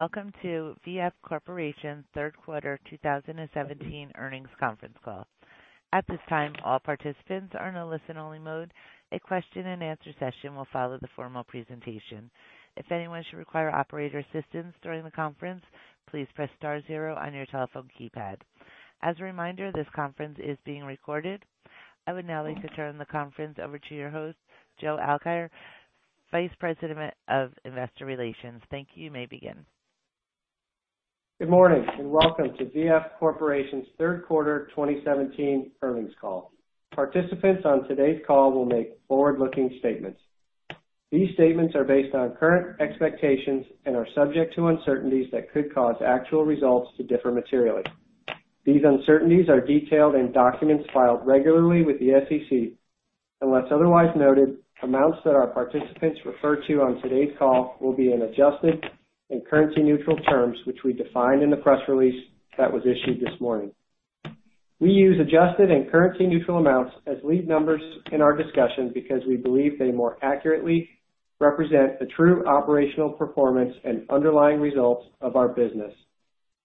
Welcome to VF Corporation third quarter 2017 earnings conference call. At this time, all participants are in a listen-only mode. A question and answer session will follow the formal presentation. If anyone should require operator assistance during the conference, please press star zero on your telephone keypad. As a reminder, this conference is being recorded. I would now like to turn the conference over to your host, Joe Alkire, Vice President of Investor Relations. Thank you. You may begin. Good morning. Welcome to VF Corporation's third quarter 2017 earnings call. Participants on today's call will make forward-looking statements. These statements are based on current expectations and are subject to uncertainties that could cause actual results to differ materially. These uncertainties are detailed in documents filed regularly with the SEC. Unless otherwise noted, amounts that our participants refer to on today's call will be in adjusted and currency-neutral terms, which we defined in the press release that was issued this morning. We use adjusted and currency-neutral amounts as lead numbers in our discussion because we believe they more accurately represent the true operational performance and underlying results of our business.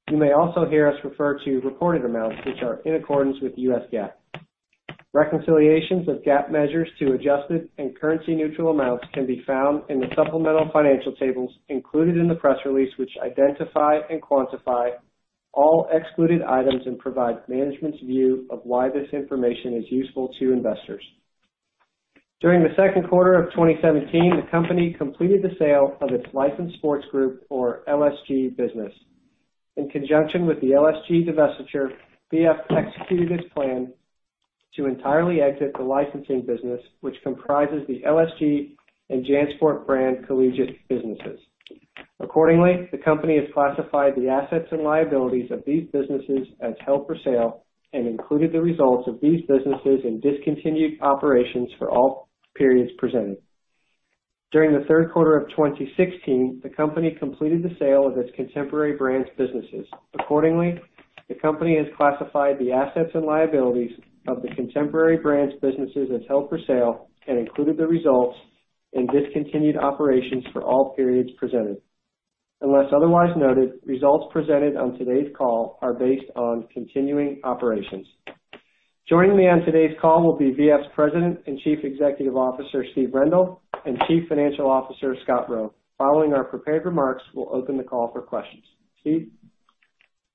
You may also hear us refer to reported amounts which are in accordance with the US GAAP. Reconciliations of GAAP measures to adjusted and currency-neutral amounts can be found in the supplemental financial tables included in the press release, which identify and quantify all excluded items and provide management's view of why this information is useful to investors. During the second quarter of 2017, the company completed the sale of its Licensed Sports Group or LSG business. In conjunction with the LSG divestiture, VF executed its plan to entirely exit the licensing business, which comprises the LSG and JanSport brand collegiate businesses. Accordingly, the company has classified the assets and liabilities of these businesses as held for sale and included the results of these businesses in discontinued operations for all periods presented. During the third quarter of 2016, the company completed the sale of its Contemporary Brands businesses. Accordingly, the company has classified the assets and liabilities of the Contemporary Brands businesses as held for sale and included the results in discontinued operations for all periods presented. Unless otherwise noted, results presented on today's call are based on continuing operations. Joining me on today's call will be VF's President and Chief Executive Officer, Steve Rendle, and Chief Financial Officer, Scott Roe. Following our prepared remarks, we'll open the call for questions.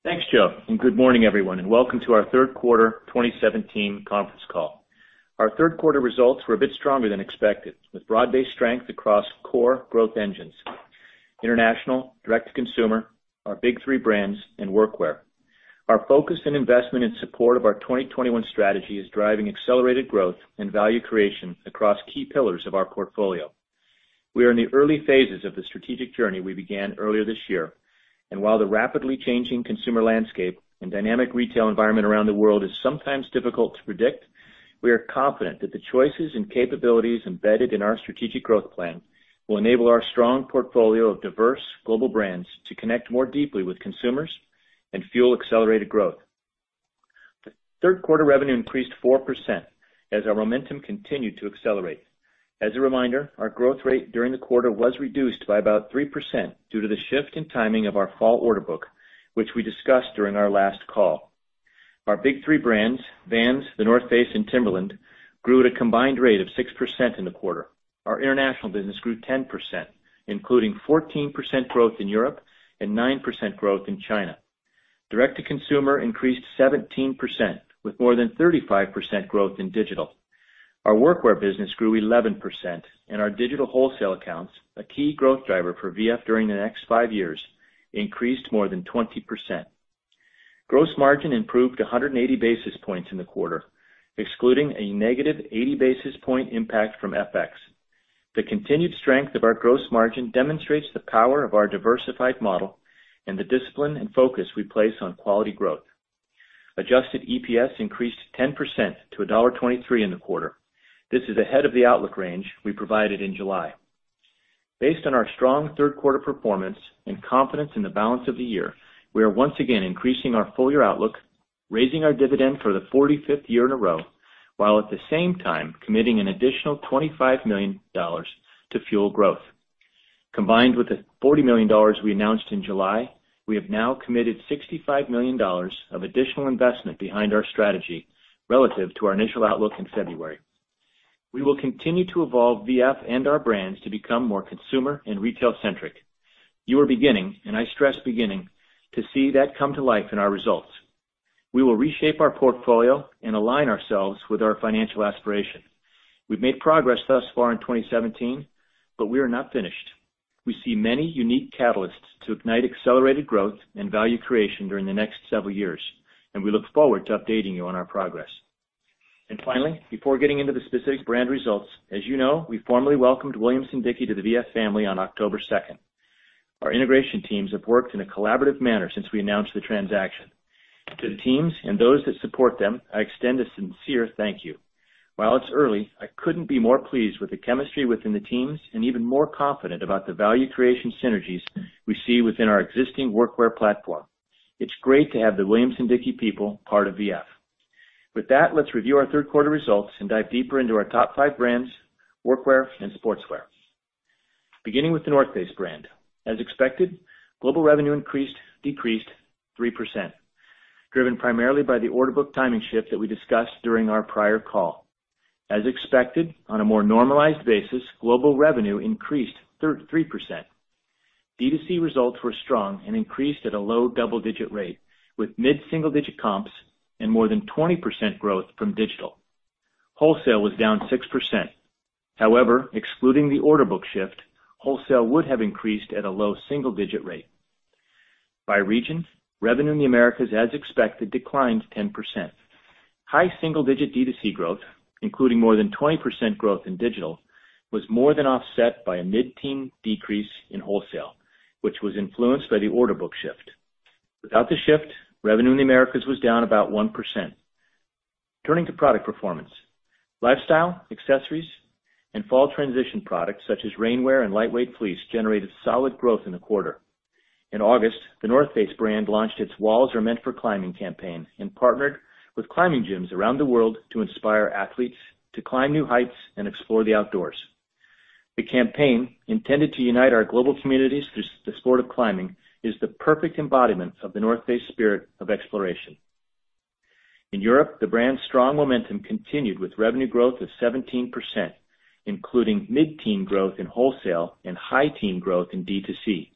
Steve? Thanks, Joe, good morning, everyone, welcome to our third quarter 2017 conference call. Our third quarter results were a bit stronger than expected, with broad-based strength across core growth engines, international, direct-to-consumer, our big three brands, and workwear. Our focus and investment in support of our 2021 strategy is driving accelerated growth and value creation across key pillars of our portfolio. We are in the early phases of the strategic journey we began earlier this year, while the rapidly changing consumer landscape and dynamic retail environment around the world is sometimes difficult to predict, we are confident that the choices and capabilities embedded in our strategic growth plan will enable our strong portfolio of diverse global brands to connect more deeply with consumers and fuel accelerated growth. The third quarter revenue increased 4% as our momentum continued to accelerate. As a reminder, our growth rate during the quarter was reduced by about 3% due to the shift in timing of our fall order book, which we discussed during our last call. Our big three brands, Vans, The North Face, and Timberland, grew at a combined rate of 6% in the quarter. Our international business grew 10%, including 14% growth in Europe and 9% growth in China. Direct-to-consumer increased 17%, with more than 35% growth in digital. Our workwear business grew 11%, Our digital wholesale accounts, a key growth driver for VF during the next five years, increased more than 20%. Gross margin improved 180 basis points in the quarter, excluding a negative 80 basis point impact from FX. The continued strength of our gross margin demonstrates the power of our diversified model the discipline and focus we place on quality growth. Adjusted EPS increased 10% to $1.23 in the quarter. This is ahead of the outlook range we provided in July. Based on our strong third quarter performance and confidence in the balance of the year, we are once again increasing our full-year outlook, raising our dividend for the 45th year in a row, while at the same time committing an additional $25 million to fuel growth. Combined with the $40 million we announced in July, we have now committed $65 million of additional investment behind our strategy relative to our initial outlook in February. We will continue to evolve VF and our brands to become more consumer and retail-centric. You are beginning, I stress beginning, to see that come to life in our results. We will reshape our portfolio align ourselves with our financial aspiration. We've made progress thus far in 2017, we are not finished. We see many unique catalysts to ignite accelerated growth and value creation during the next several years, we look forward to updating you on our progress. Finally, before getting into the specific brand results, as you know, we formally welcomed Williamson- Dickie to the VF family on October 2nd. Our integration teams have worked in a collaborative manner since we announced the transaction. To the teams and those that support them, I extend a sincere thank you. While it's early, I couldn't be more pleased with the chemistry within the teams even more confident about the value creation synergies we see within our existing workwear platform. It's great to have the Williamson-Dickie people part of VF. With that, let's review our third quarter results Dive deeper into our top five brands, workwear and sportswear. Beginning with The North Face brand. As expected, global revenue decreased 3%, driven primarily by the order book timing shift that we discussed during our prior call. As expected, on a more normalized basis, global revenue increased 3%. D2C results were strong and increased at a low double-digit rate, with mid-single-digit comps and more than 20% growth from digital. Wholesale was down 6%. Excluding the order book shift, wholesale would have increased at a low single-digit rate. By region, revenue in the Americas, as expected, declined 10%. High single-digit D2C growth, including more than 20% growth in digital, was more than offset by a mid-teen decrease in wholesale, which was influenced by the order book shift. Without the shift, revenue in the Americas was down about 1%. Turning to product performance. Lifestyle, accessories, and fall transition products such as rainwear and lightweight fleece generated solid growth in the quarter. In August, The North Face brand launched its Walls Are Meant for Climbing campaign and partnered with climbing gyms around the world to inspire athletes to climb new heights and explore the outdoors. The campaign, intended to unite our global communities through the sport of climbing, is the perfect embodiment of The North Face spirit of exploration. In Europe, the brand's strong momentum continued with revenue growth of 17%, including mid-teen growth in wholesale and high teen growth in D2C.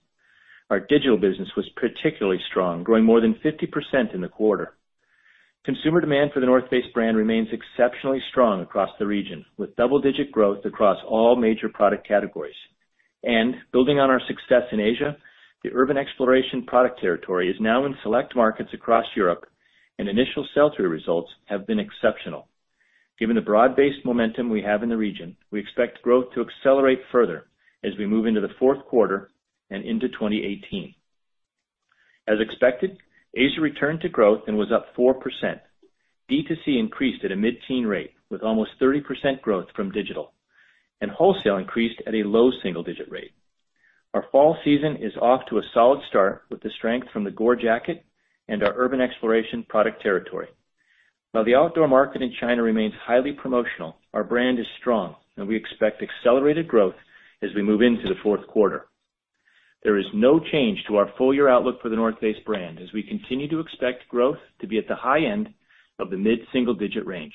Our digital business was particularly strong, growing more than 50% in the quarter. Consumer demand for The North Face brand remains exceptionally strong across the region, with double-digit growth across all major product categories. Building on our success in Asia, the Urban Exploration product territory is now in select markets across Europe, and initial sell-through results have been exceptional. Given the broad-based momentum we have in the region, we expect growth to accelerate further as we move into the fourth quarter and into 2018. As expected, Asia returned to growth and was up 4%. D2C increased at a mid-teen rate with almost 30% growth from digital, wholesale increased at a low single-digit rate. Our fall season is off to a solid start with the strength from the Gore jacket and our Urban Exploration product territory. While the outdoor market in China remains highly promotional, our brand is strong, we expect accelerated growth as we move into the fourth quarter. There is no change to our full-year outlook for The North Face brand as we continue to expect growth to be at the high end of the mid-single-digit range.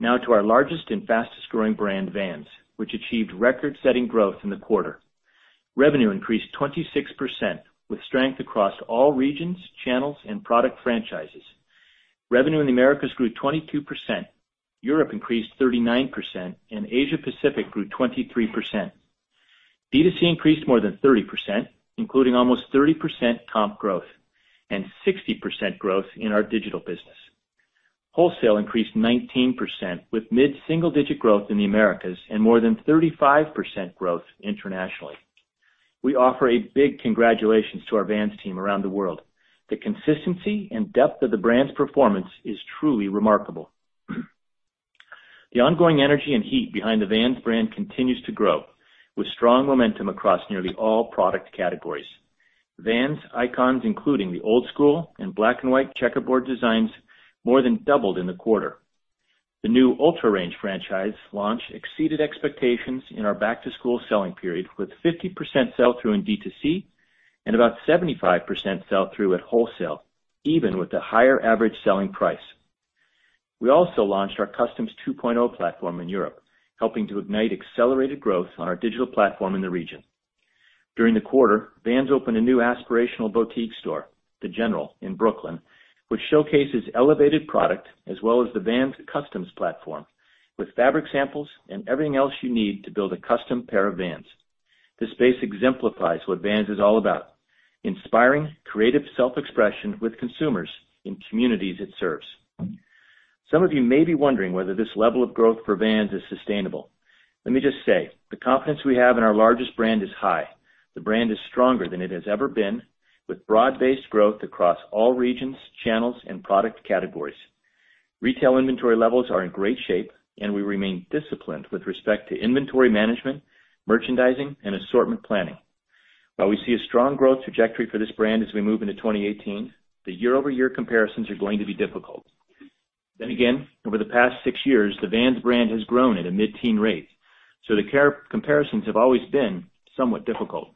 Now to our largest and fastest-growing brand, Vans, which achieved record-setting growth in the quarter. Revenue increased 26%, with strength across all regions, channels, and product franchises. Revenue in the Americas grew 22%, Europe increased 39%, Asia Pacific grew 23%. D2C increased more than 30%, including almost 30% comp growth, 60% growth in our digital business. Wholesale increased 19%, with mid-single-digit growth in the Americas, more than 35% growth internationally. We offer a big congratulations to our Vans team around the world. The consistency and depth of the brand's performance is truly remarkable. The ongoing energy and heat behind the Vans brand continues to grow, with strong momentum across nearly all product categories. Vans icons, including the Old Skool and black and white checkerboard designs, more than doubled in the quarter. The new UltraRange franchise launch exceeded expectations in our back-to-school selling period, with 50% sell-through in D2C, about 75% sell-through at wholesale, even with the higher average selling price. We also launched our Customs 2.0 platform in Europe, helping to ignite accelerated growth on our digital platform in the region. During the quarter, Vans opened a new aspirational boutique store, The General, in Brooklyn, which showcases elevated product as well as the Vans Customs platform with fabric samples and everything else you need to build a custom pair of Vans. This space exemplifies what Vans is all about: inspiring creative self-expression with consumers in communities it serves. Some of you may be wondering whether this level of growth for Vans is sustainable. Let me just say, the confidence we have in our largest brand is high. The brand is stronger than it has ever been, with broad-based growth across all regions, channels, and product categories. Retail inventory levels are in great shape, and we remain disciplined with respect to inventory management, merchandising, and assortment planning. While we see a strong growth trajectory for this brand as we move into 2018, the year-over-year comparisons are going to be difficult. Again, over the past six years, the Vans brand has grown at a mid-teen rate, so the comparisons have always been somewhat difficult.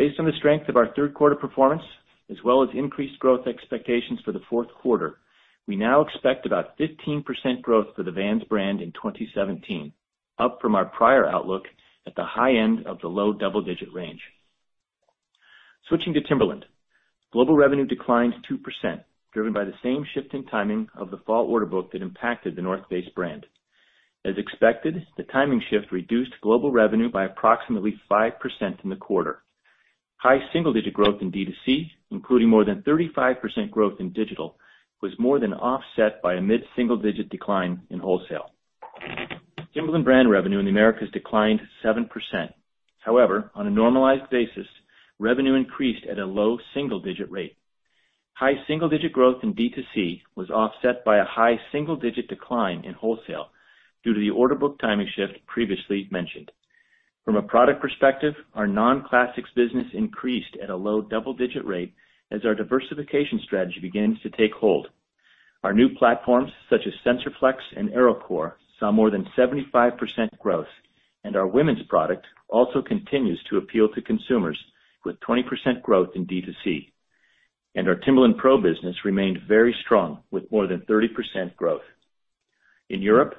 Based on the strength of our third quarter performance as well as increased growth expectations for the fourth quarter, we now expect about 15% growth for the Vans brand in 2017, up from our prior outlook at the high end of the low double-digit range. Switching to Timberland. Global revenue declined 2%, driven by the same shift in timing of the fall order book that impacted The North Face brand. As expected, the timing shift reduced global revenue by approximately 5% in the quarter. High single-digit growth in D2C, including more than 35% growth in digital, was more than offset by a mid-single-digit decline in wholesale. Timberland brand revenue in the Americas declined 7%. However, on a normalized basis, revenue increased at a low single-digit rate. High single-digit growth in D2C was offset by a high single-digit decline in wholesale due to the order book timing shift previously mentioned. From a product perspective, our non-classics business increased at a low double-digit rate as our diversification strategy begins to take hold. Our new platforms, such as SensorFlex and AeroCore, saw more than 75% growth, and our women's product also continues to appeal to consumers with 20% growth in D2C. Our Timberland PRO business remained very strong with more than 30% growth. In Europe,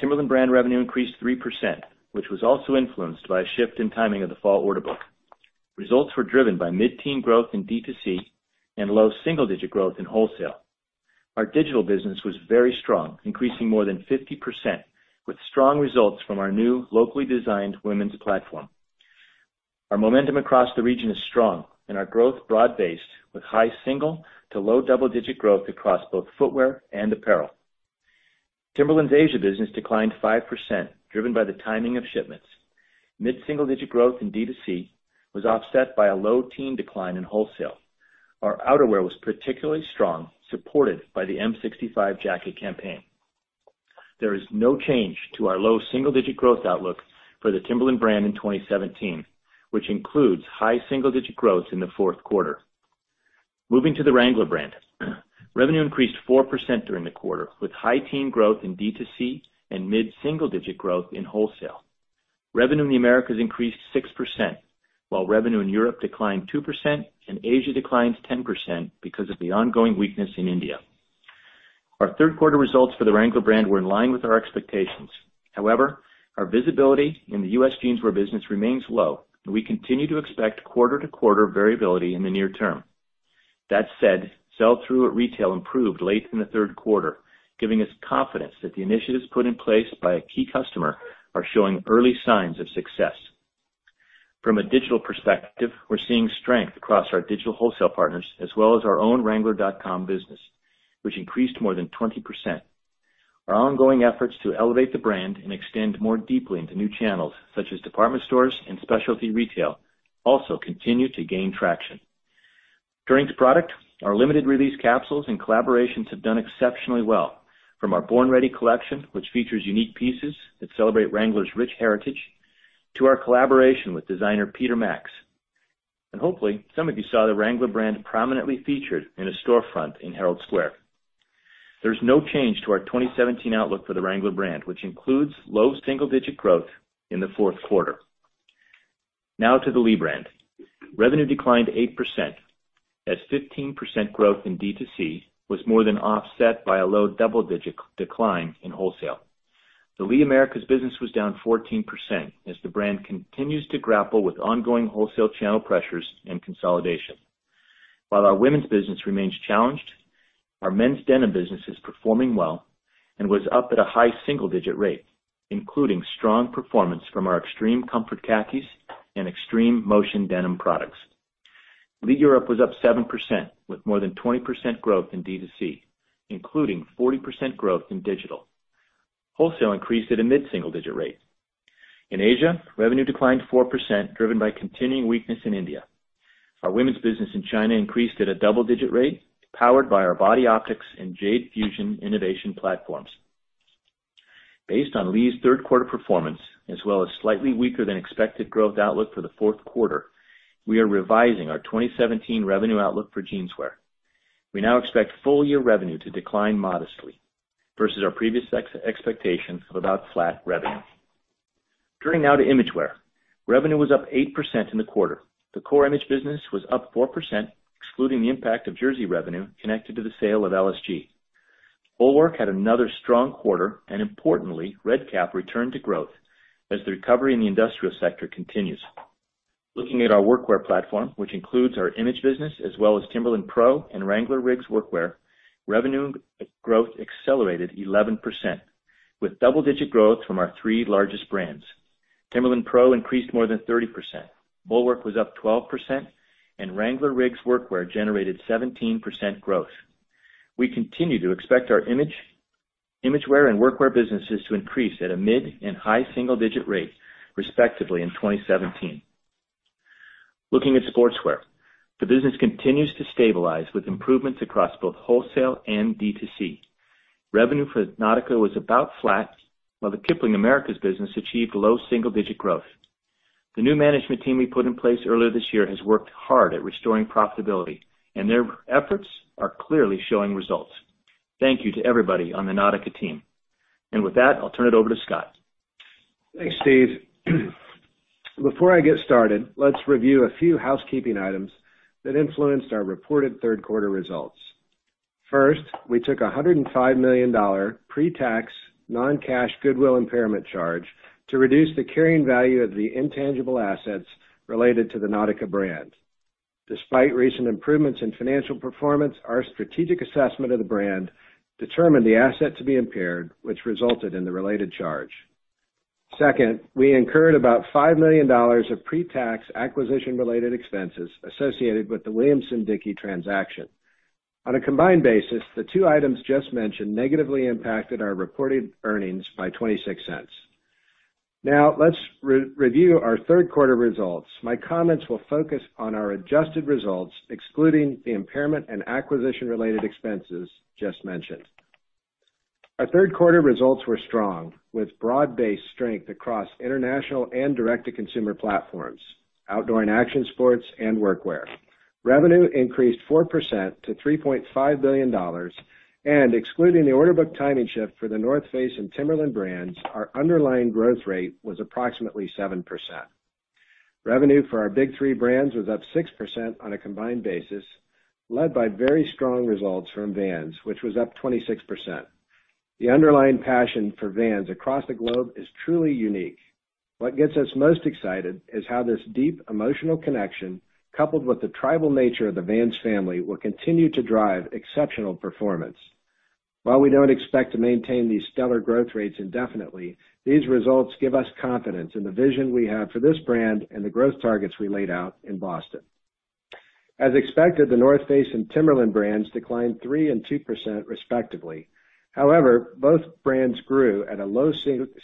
Timberland brand revenue increased 3%, which was also influenced by a shift in timing of the fall order book. Results were driven by mid-teen growth in D2C and low single-digit growth in wholesale. Our digital business was very strong, increasing more than 50%, with strong results from our new locally designed women's platform. Our momentum across the region is strong and our growth broad-based with high single-digit to low double-digit growth across both footwear and apparel. Timberland's Asia business declined 5%, driven by the timing of shipments. Mid-single-digit growth in D2C was offset by a low-teen decline in wholesale. Our outerwear was particularly strong, supported by the M65 jacket campaign. There is no change to our low single-digit growth outlook for the Timberland brand in 2017, which includes high single-digit growth in the fourth quarter. Moving to the Wrangler brand. Revenue increased 4% during the quarter, with high-teen growth in D2C and mid-single-digit growth in wholesale. Revenue in the Americas increased 6%, while revenue in Europe declined 2% and Asia declined 10% because of the ongoing weakness in India. Our third quarter results for the Wrangler brand were in line with our expectations. However, our visibility in the U.S. jeanswear business remains low, and we continue to expect quarter-to-quarter variability in the near term. That said, sell-through at retail improved late in the third quarter, giving us confidence that the initiatives put in place by a key customer are showing early signs of success. From a digital perspective, we're seeing strength across our digital wholesale partners as well as our own Wrangler.com business, which increased more than 20%. Our ongoing efforts to elevate the brand and extend more deeply into new channels, such as department stores and specialty retail, also continue to gain traction. Turning to product, our limited release capsules and collaborations have done exceptionally well, from our Born Ready collection, which features unique pieces that celebrate Wrangler's rich heritage, to our collaboration with designer Peter Max. Hopefully, some of you saw the Wrangler brand prominently featured in a storefront in Herald Square. There's no change to our 2017 outlook for the Wrangler brand, which includes low single-digit growth in the fourth quarter. Now to the Lee brand. Revenue declined 8%, as 15% growth in D2C was more than offset by a low double-digit decline in wholesale. The Lee Americas business was down 14% as the brand continues to grapple with ongoing wholesale channel pressures and consolidation. While our women's business remains challenged, our men's denim business is performing well and was up at a high single-digit rate, including strong performance from our Extreme Comfort khakis and Extreme Motion denim products. Lee Europe was up 7%, with more than 20% growth in D2C, including 40% growth in digital. Wholesale increased at a mid-single-digit rate. Asia, revenue declined 4%, driven by continuing weakness in India. Our women's business in China increased at a double-digit rate, powered by our Body Optix and Jade Fusion innovation platforms. Based on Lee's third quarter performance, as well as slightly weaker than expected growth outlook for the fourth quarter, we are revising our 2017 revenue outlook for jeanswear. We now expect full-year revenue to decline modestly versus our previous expectation of about flat revenue. Turning now to Imagewear. Revenue was up 8% in the quarter. The core Imagewear business was up 4%, excluding the impact of Jersey revenue connected to the sale of LSG. Bulwark had another strong quarter. Importantly, Red Kap returned to growth as the recovery in the industrial sector continues. Looking at our Workwear platform, which includes our Imagewear business as well as Timberland PRO and Wrangler RIGGS WORKWEAR, revenue growth accelerated 11%, with double-digit growth from our three largest brands. Timberland PRO increased more than 30%, Bulwark was up 12%, Wrangler RIGGS WORKWEAR generated 17% growth. We continue to expect our Imagewear and Workwear businesses to increase at a mid and high single-digit rate, respectively, in 2017. Looking at Sportswear. The business continues to stabilize with improvements across both wholesale and D2C. Revenue for Nautica was about flat, while the Kipling Americas business achieved low single-digit growth. The new management team we put in place earlier this year has worked hard at restoring profitability, and their efforts are clearly showing results. Thank you to everybody on the Nautica team. With that, I'll turn it over to Scott. Thanks, Steve. Before I get started, let's review a few housekeeping items that influenced our reported third quarter results. First, we took a $105 million pre-tax non-cash goodwill impairment charge to reduce the carrying value of the intangible assets related to the Nautica brand. Despite recent improvements in financial performance, our strategic assessment of the brand determined the asset to be impaired, which resulted in the related charge. Second, we incurred about $5 million of pre-tax acquisition-related expenses associated with the Williamson-Dickie transaction. On a combined basis, the two items just mentioned negatively impacted our reported earnings by $0.26. Now let's review our third quarter results. My comments will focus on our adjusted results, excluding the impairment and acquisition-related expenses just mentioned. Our third quarter results were strong with broad-based strength across international and direct-to-consumer platforms, outdoor and action sports, and workwear. Revenue increased 4% to $3.5 billion. Excluding the order book timing shift for The North Face and Timberland brands, our underlying growth rate was approximately 7%. Revenue for our big three brands was up 6% on a combined basis, led by very strong results from Vans, which was up 26%. The underlying passion for Vans across the globe is truly unique. What gets us most excited is how this deep emotional connection, coupled with the tribal nature of the Vans family, will continue to drive exceptional performance. While we don't expect to maintain these stellar growth rates indefinitely, these results give us confidence in the vision we have for this brand and the growth targets we laid out in Boston. As expected, The North Face and Timberland brands declined 3% and 2% respectively. However, both brands grew at a low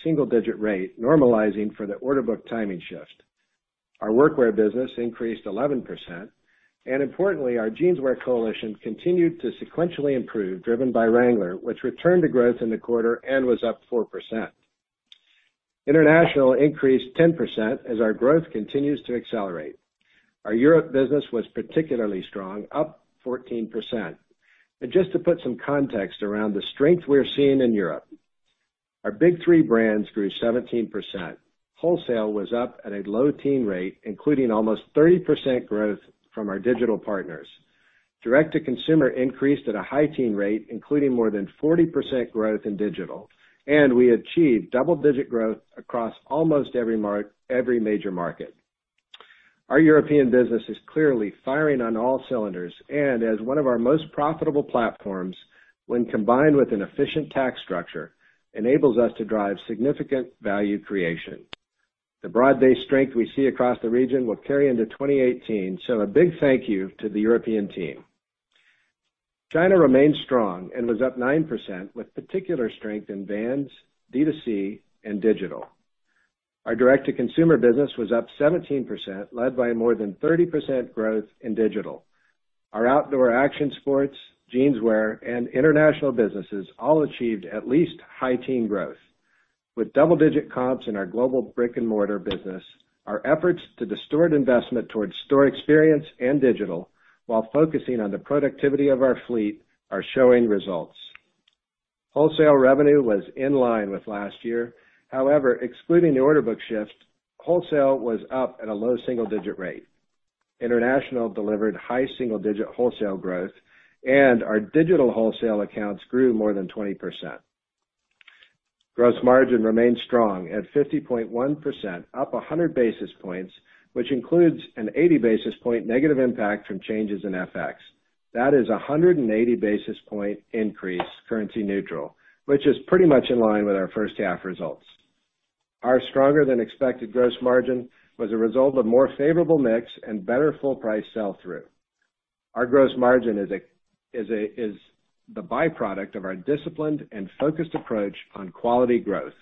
single-digit rate, normalizing for the order book timing shift. Our workwear business increased 11%, and importantly, our jeanswear coalition continued to sequentially improve, driven by Wrangler, which returned to growth in the quarter and was up 4%. International increased 10% as our growth continues to accelerate. Our Europe business was particularly strong, up 14%. Just to put some context around the strength we're seeing in Europe, our big three brands grew 17%. Wholesale was up at a low teen rate, including almost 30% growth from our digital partners. Direct to consumer increased at a high teen rate, including more than 40% growth in digital, and we achieved double-digit growth across almost every major market. Our European business is clearly firing on all cylinders, and as one of our most profitable platforms, when combined with an efficient tax structure, enables us to drive significant value creation. The broad-based strength we see across the region will carry into 2018, so a big thank you to the European team. China remains strong and was up 9%, with particular strength in Vans, D2C, and digital. Our direct-to-consumer business was up 17%, led by more than 30% growth in digital. Our outdoor action sports, jeanswear, and international businesses all achieved at least high teen growth. With double-digit comps in our global brick and mortar business, our efforts to distort investment towards store experience and digital while focusing on the productivity of our fleet are showing results. Wholesale revenue was in line with last year. However, excluding the order book shift, wholesale was up at a low single-digit rate. International delivered high single-digit wholesale growth, and our digital wholesale accounts grew more than 20%. Gross margin remained strong at 50.1%, up 100 basis points, which includes an 80 basis point negative impact from changes in FX. That is a 180 basis point increase currency neutral, which is pretty much in line with our first half results. Our stronger than expected gross margin was a result of more favorable mix and better full price sell-through. Our gross margin is the byproduct of our disciplined and focused approach on quality growth.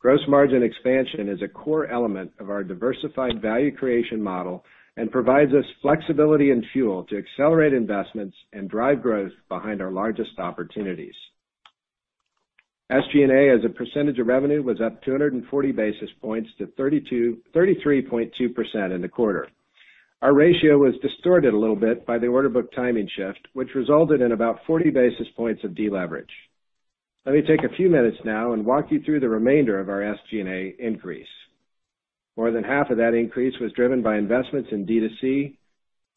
Gross margin expansion is a core element of our diversified value creation model and provides us flexibility and fuel to accelerate investments and drive growth behind our largest opportunities. SG&A as a percentage of revenue was up 240 basis points to 33.2% in the quarter. Our ratio was distorted a little bit by the order book timing shift, which resulted in about 40 basis points of deleverage. Let me take a few minutes now and walk you through the remainder of our SG&A increase. More than half of that increase was driven by investments in D2C,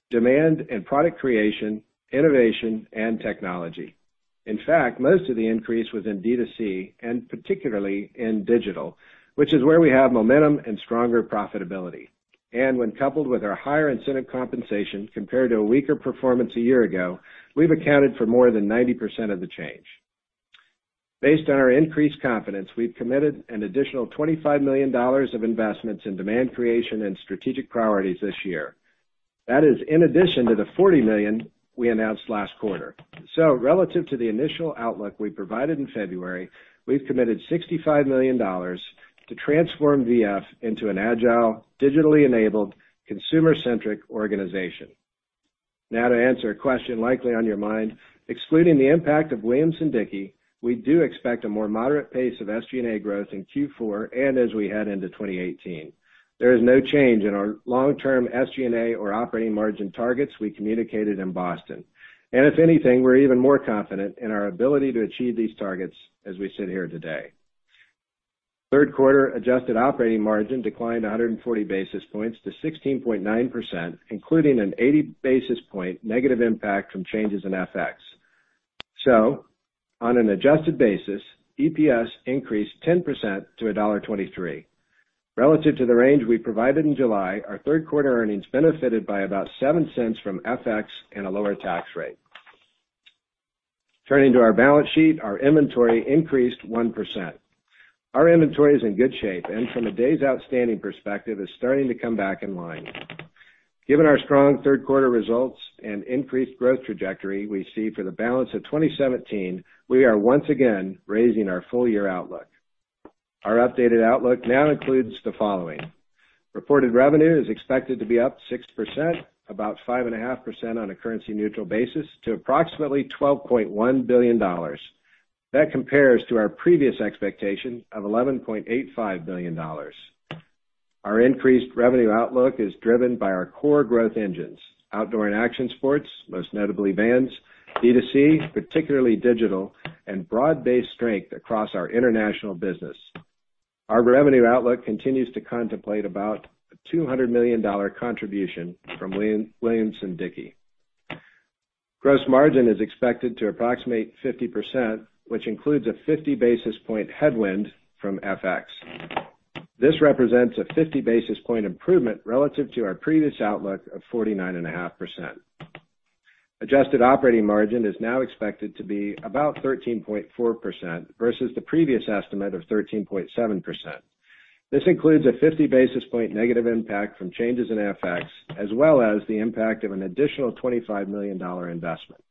demand and product creation, innovation, and technology. In fact, most of the increase was in D2C and particularly in digital, which is where we have momentum and stronger profitability. When coupled with our higher incentive compensation compared to a weaker performance a year ago, we've accounted for more than 90% of the change. Based on our increased confidence, we've committed an additional $25 million of investments in demand creation and strategic priorities this year. That is in addition to the $40 million we announced last quarter. Relative to the initial outlook we provided in February, we've committed $65 million to transform VF into an agile, digitally enabled, consumer-centric organization. Now to answer a question likely on your mind, excluding the impact of Williamson-Dickie, we do expect a more moderate pace of SG&A growth in Q4 and as we head into 2018. There is no change in our long-term SG&A or operating margin targets we communicated in Boston. If anything, we're even more confident in our ability to achieve these targets as we sit here today. Third quarter adjusted operating margin declined 140 basis points to 16.9%, including an 80 basis point negative impact from changes in FX. On an adjusted basis, EPS increased 10% to $1.23. Relative to the range we provided in July, our third quarter earnings benefited by about $0.07 from FX and a lower tax rate. Turning to our balance sheet, our inventory increased 1%. Our inventory is in good shape and from a days outstanding perspective, is starting to come back in line. Given our strong third quarter results and increased growth trajectory we see for the balance of 2017, we are once again raising our full year outlook. Our updated outlook now includes the following. Reported revenue is expected to be up 6%, about 5.5% on a currency-neutral basis to approximately $12.1 billion. That compares to our previous expectation of $11.85 billion. Our increased revenue outlook is driven by our core growth engines, outdoor and action sports, most notably Vans, D2C, particularly digital, and broad-based strength across our international business. Our revenue outlook continues to contemplate about a $200 million contribution from Williamson-Dickie. Gross margin is expected to approximate 50%, which includes a 50 basis point headwind from FX. This represents a 50 basis point improvement relative to our previous outlook of 49.5%. Adjusted operating margin is now expected to be about 13.4% versus the previous estimate of 13.7%. This includes a 50 basis point negative impact from changes in FX, as well as the impact of an additional $25 million investment.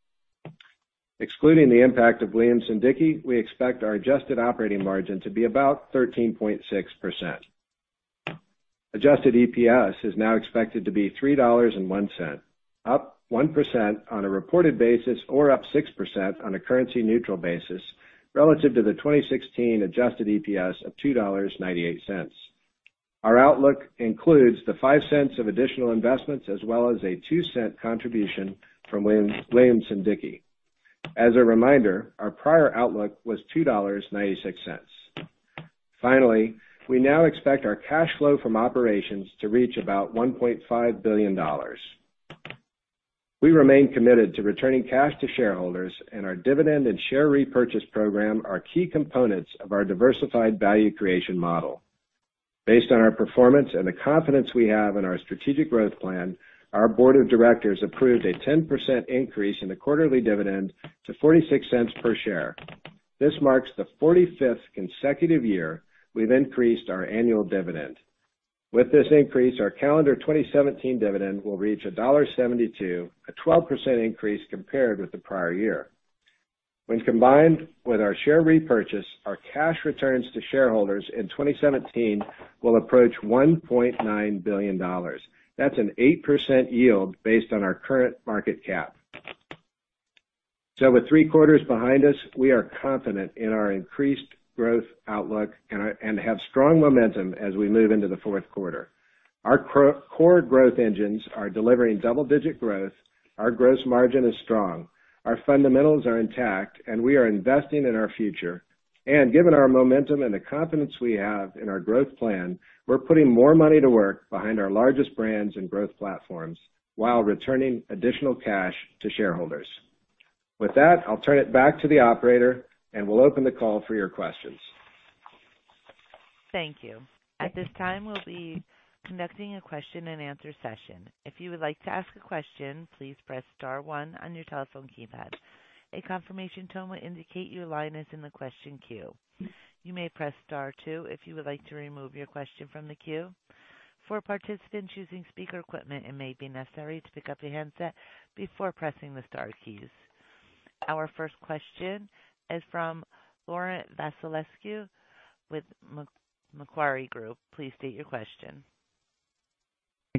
Excluding the impact of Williamson-Dickie, we expect our adjusted operating margin to be about 13.6%. Adjusted EPS is now expected to be $3.01, up 1% on a reported basis or up 6% on a currency neutral basis relative to the 2016 adjusted EPS of $2.98. Our outlook includes the $0.05 of additional investments as well as a $0.02 contribution from Williamson-Dickie. As a reminder, our prior outlook was $2.96. Finally, we now expect our cash flow from operations to reach about $1.5 billion. We remain committed to returning cash to shareholders, and our dividend and share repurchase program are key components of our diversified value creation model. Based on our performance and the confidence we have in our strategic growth plan, our board of directors approved a 10% increase in the quarterly dividend to $0.46 per share. This marks the 45th consecutive year we've increased our annual dividend. With this increase, our calendar 2017 dividend will reach $1.72, a 12% increase compared with the prior year. When combined with our share repurchase, our cash returns to shareholders in 2017 will approach $1.9 billion. That's an 8% yield based on our current market cap. With three quarters behind us, we are confident in our increased growth outlook and have strong momentum as we move into the fourth quarter. Our core growth engines are delivering double-digit growth. Our gross margin is strong. Our fundamentals are intact, and we are investing in our future. Given our momentum and the confidence we have in our growth plan, we're putting more money to work behind our largest brands and growth platforms while returning additional cash to shareholders. With that, I'll turn it back to the operator, and we'll open the call for your questions. Thank you. At this time, we'll be conducting a question and answer session. If you would like to ask a question, please press star one on your telephone keypad. A confirmation tone will indicate your line is in the question queue. You may press star two if you would like to remove your question from the queue. For participants using speaker equipment, it may be necessary to pick up your handset before pressing the star keys. Our first question is from Laurent Vasilescu with Macquarie Group. Please state your question.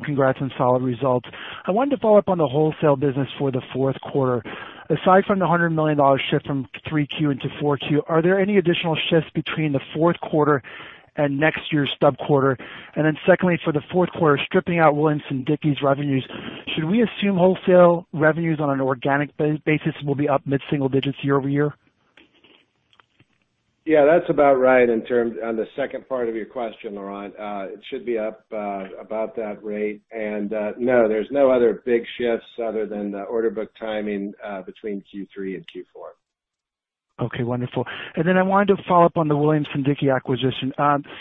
Congrats on solid results. I wanted to follow up on the wholesale business for the fourth quarter. Aside from the $100 million shift from three Q into four Q, are there any additional shifts between the fourth quarter and next year's stub quarter? Secondly, for the fourth quarter, stripping out Williamson-Dickie's revenues, should we assume wholesale revenues on an organic basis will be up mid-single digits year-over-year? Yeah, that's about right on the second part of your question, Laurent. It should be up about that rate. No, there's no other big shifts other than the order book timing between Q3 and Q4. Okay, wonderful. I wanted to follow up on the Williamson-Dickie acquisition.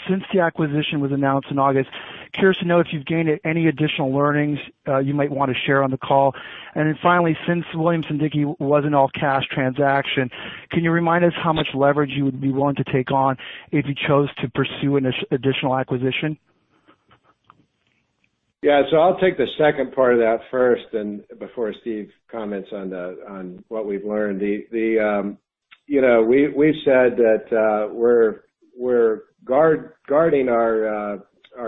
Since the acquisition was announced in August, curious to know if you've gained any additional learnings you might want to share on the call. Finally, since Williamson-Dickie was an all-cash transaction, can you remind us how much leverage you would be willing to take on if you chose to pursue an additional acquisition? Yeah. I'll take the second part of that first, and before Steve comments on what we've learned. We've said that we're guarding our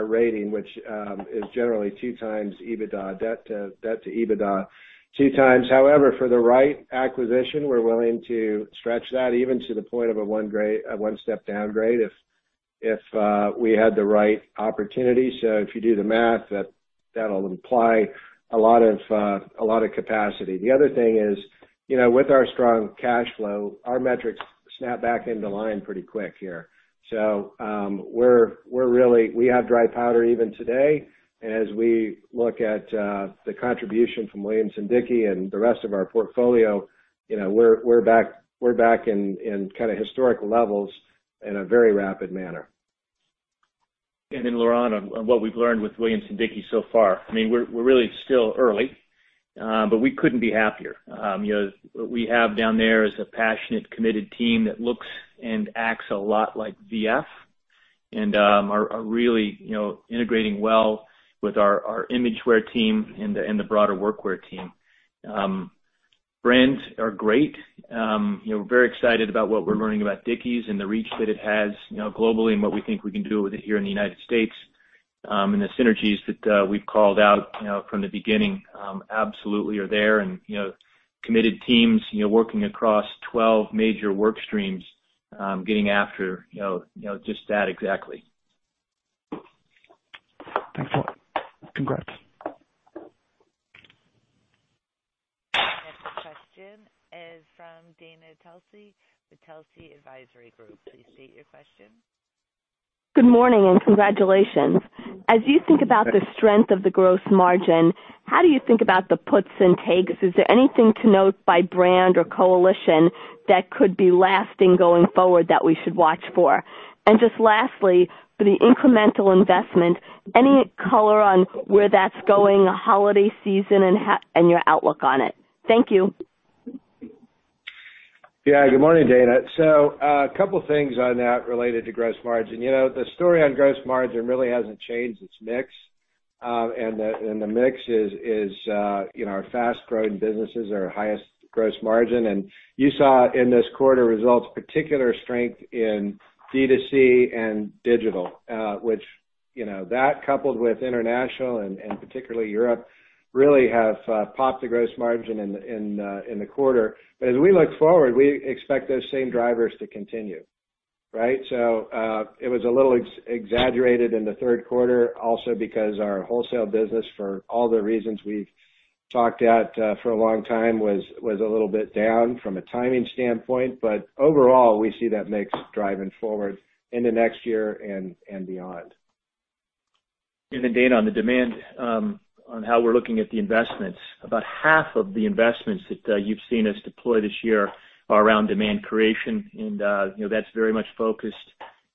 rating, which is generally two times EBITDA, debt to EBITDA. Two times. However, for the right acquisition, we're willing to stretch that even to the point of a one step downgrade if we had the right opportunity. If you do the math, that'll imply a lot of capacity. The other thing is, with our strong cash flow, our metrics snap back into line pretty quick here. We have dry powder even today. As we look at the contribution from Williamson-Dickie and the rest of our portfolio, we're back in kind of historical levels in a very rapid manner. Laurent, on what we've learned with Williamson-Dickie so far. We're really still early, but we couldn't be happier. What we have down there is a passionate, committed team that looks and acts a lot like VF and are really integrating well with our Imagewear team and the broader workwear team. Brands are great. We're very excited about what we're learning about Dickies and the reach that it has globally and what we think we can do with it here in the U.S. The synergies that we've called out from the beginning absolutely are there, and committed teams working across 12 major work streams, getting after just that exactly. Thanks a lot. Congrats. Our next question is from Dana Telsey with Telsey Advisory Group. Please state your question. Good morning. Congratulations. As you think about the strength of the gross margin, how do you think about the puts and takes? Is there anything to note by brand or coalition that could be lasting going forward that we should watch for? Just lastly, for the incremental investment, any color on where that's going, the holiday season and your outlook on it? Thank you. Yeah. Good morning, Dana. A couple things on that related to gross margin. The story on gross margin really hasn't changed. It's mix. The mix is our fast-growing businesses, our highest gross margin. You saw in this quarter results, particular strength in D2C and digital. That coupled with international and particularly Europe, really have popped the gross margin in the quarter. As we look forward, we expect those same drivers to continue. It was a little exaggerated in the third quarter also because our wholesale business, for all the reasons we've talked about for a long time, was a little bit down from a timing standpoint. Overall, we see that mix driving forward into next year and beyond. Dana, on the demand, on how we're looking at the investments. About half of the investments that you've seen us deploy this year are around demand creation, and that's very much focused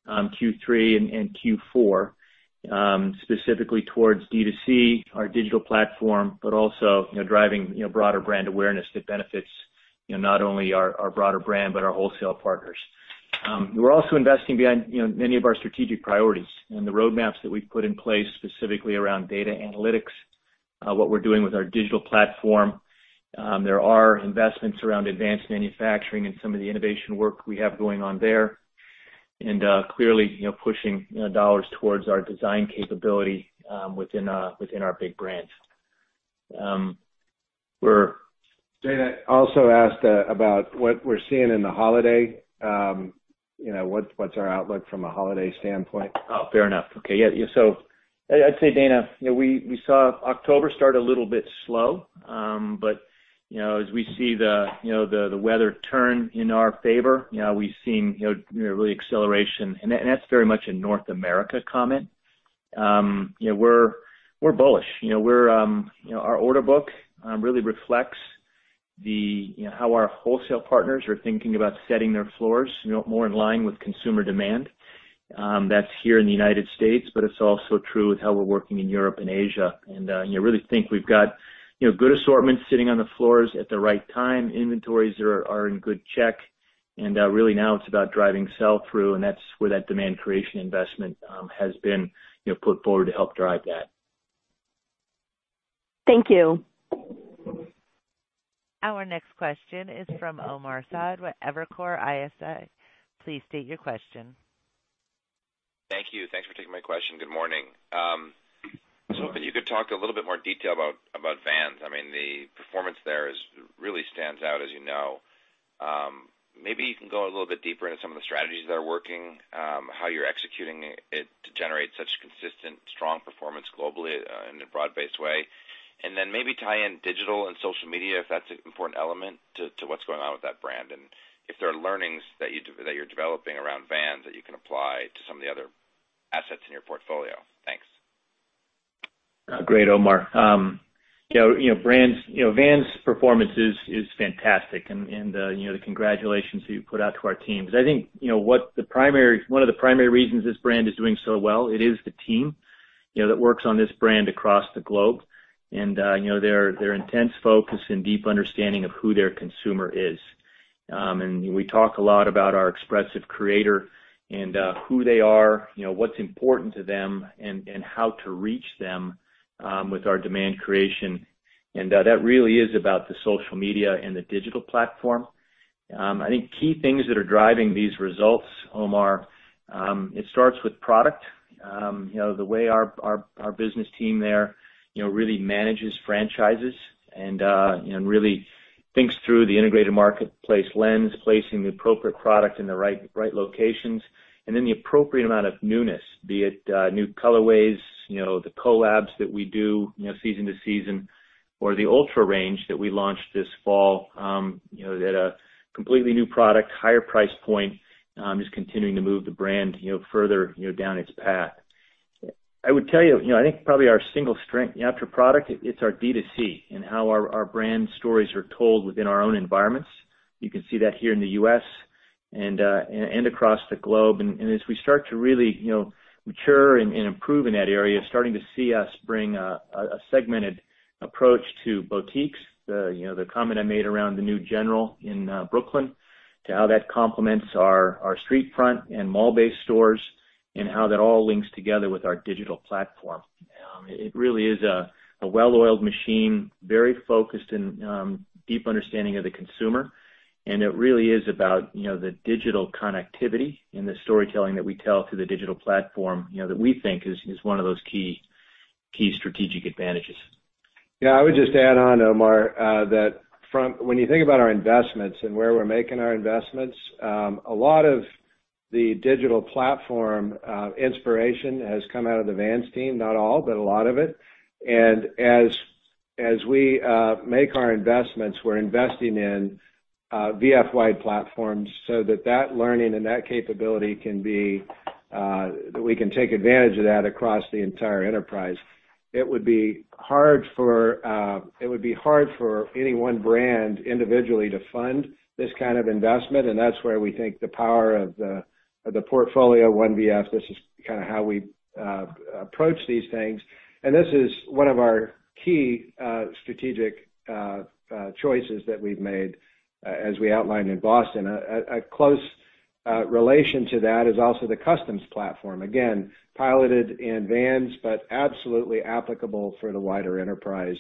on Q3 and Q4, specifically towards D2C, our digital platform, but also driving broader brand awareness that benefits not only our broader brand but our wholesale partners. We're also investing behind many of our strategic priorities and the roadmaps that we've put in place, specifically around data analytics, what we're doing with our digital platform. There are investments around advanced manufacturing and some of the innovation work we have going on there. Clearly, pushing $ towards our design capability within our big brands. Dana also asked about what we're seeing in the holiday, what's our outlook from a holiday standpoint. Oh, fair enough. Okay. Yeah. I'd say, Dana, we saw October start a little bit slow. As we see the weather turn in our favor, we've seen really acceleration. That's very much a North America comment. We're bullish. Our order book really reflects how our wholesale partners are thinking about setting their floors more in line with consumer demand. That's here in the U.S., but it's also true with how we're working in Europe and Asia. I really think we've got good assortments sitting on the floors at the right time. Inventories are in good check, really now it's about driving sell-through, and that's where that demand creation investment has been put forward to help drive that. Thank you. Our next question is from Omar Saad with Evercore ISI. Please state your question. Thank you. Thanks for taking my question. Good morning. If you could talk a little bit more detail about Vans. I mean, the performance there really stands out as you know. Maybe you can go a little bit deeper into some of the strategies that are working, how you're executing it to generate such consistent, strong performance globally in a broad-based way. Then maybe tie in digital and social media, if that's an important element to what's going on with that brand, and if there are learnings that you're developing around Vans that you can apply to some of the other assets in your portfolio. Thanks. Great, Omar. Vans' performance is fantastic, the congratulations you put out to our teams. I think one of the primary reasons this brand is doing so well, it is the team that works on this brand across the globe, and their intense focus and deep understanding of who their consumer is. We talk a lot about our expressive creator and who they are, what's important to them, and how to reach them with our demand creation. That really is about the social media and the digital platform. I think key things that are driving these results, Omar, it starts with product. The way our business team there really manages franchises and really thinks through the integrated marketplace lens, placing the appropriate product in the right locations. The appropriate amount of newness, be it new colorways, the collabs that we do, season to season, or the UltraRange that we launched this fall, that a completely new product, higher price point, just continuing to move the brand further down its path. I would tell you, I think probably our single strength after product, it's our D2C and how our brand stories are told within our own environments. You can see that here in the U.S. and across the globe. As we start to really mature and improve in that area, starting to see us bring a segmented approach to boutiques. The comment I made around The General in Brooklyn to how that complements our street front and mall-based stores, and how that all links together with our digital platform. It really is a well-oiled machine, very focused and deep understanding of the consumer. It really is about the digital connectivity and the storytelling that we tell through the digital platform, that we think is one of those key strategic advantages. Yeah. I would just add on, Omar, that when you think about our investments and where we're making our investments, a lot of the digital platform inspiration has come out of the Vans team, not all, but a lot of it. As we make our investments, we're investing in VF-wide platforms so that that learning and that capability, that we can take advantage of that across the entire enterprise. It would be hard for any one brand individually to fund this kind of investment, and that's where we think the power of the portfolio of One VF, this is how we approach these things. This is one of our key strategic choices that we've made as we outlined in Boston. A close relation to that is also the Customs Platform, again, piloted in Vans, but absolutely applicable for the wider enterprise.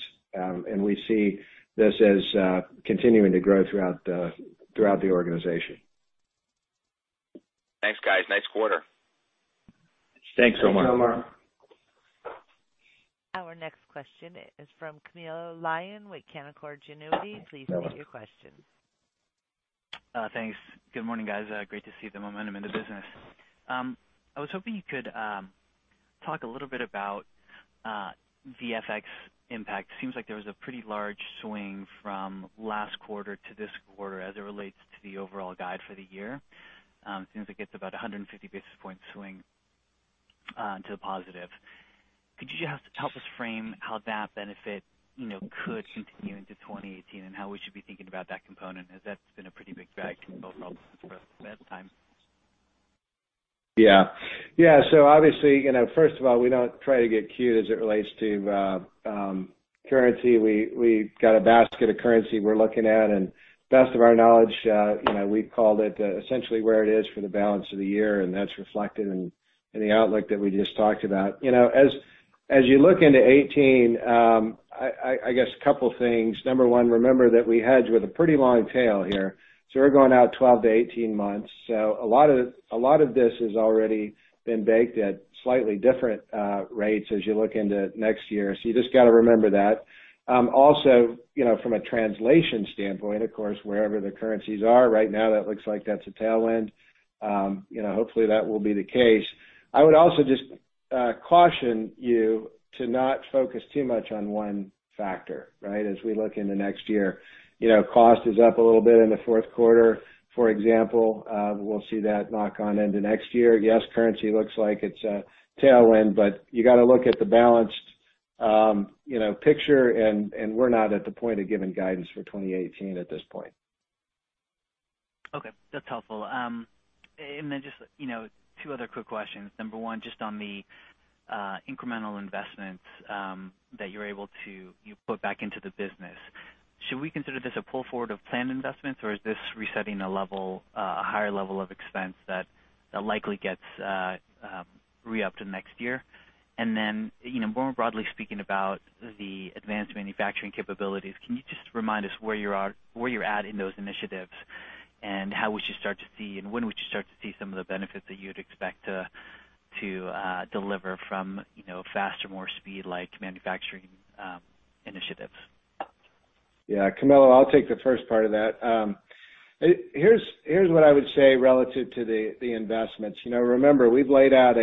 We see this as continuing to grow throughout the organization. Thanks, guys. Nice quarter. Thanks so much. Thanks so much. Our next question is from Camilo Lyon with Canaccord Genuity. Please state your question. Thanks. Good morning, guys. Great to see the momentum in the business. I was hoping you could talk a little bit about FX impact. Seems like there was a pretty large swing from last quarter to this quarter as it relates to the overall guide for the year. It seems it gets about 150 basis point swing to the positive. Could you just help us frame how that benefit could continue into 2018 and how we should be thinking about that component, as that's been a pretty big drag to both of us for a long time? Yeah. Obviously, first of all, we don't try to get skewed as it relates to currency. We've got a basket of currency we're looking at, and best of our knowledge we've called it essentially where it is for the balance of the year, and that's reflected in the outlook that we just talked about. As you look into 2018, I guess a couple things. Number one, remember that we hedge with a pretty long tail here. We're going out 12 to 18 months. A lot of this has already been baked at slightly different rates as you look into next year. You just got to remember that. Also from a translation standpoint, of course, wherever the currencies are right now, that looks like that's a tailwind. Hopefully, that will be the case. I would also just caution you to not focus too much on one factor as we look into next year. Cost is up a little bit in the fourth quarter, for example. We'll see that knock on into next year. Yes, currency looks like it's a tailwind, you got to look at the balanced picture, and we're not at the point of giving guidance for 2018 at this point. Okay. That's helpful. Then just two other quick questions. Number one, just on the incremental investments that you put back into the business. Should we consider this a pull forward of planned investments, or is this resetting a higher level of expense that likely gets re-upped in next year? Then, more broadly speaking about the advanced manufacturing capabilities, can you just remind us where you're at in those initiatives, and how would you start to see, and when would you start to see some of the benefits that you'd expect to deliver from faster, more speed-like manufacturing initiatives? Yeah. Camilo, I'll take the first part of that. Here's what I would say relative to the investments. Remember, we've laid out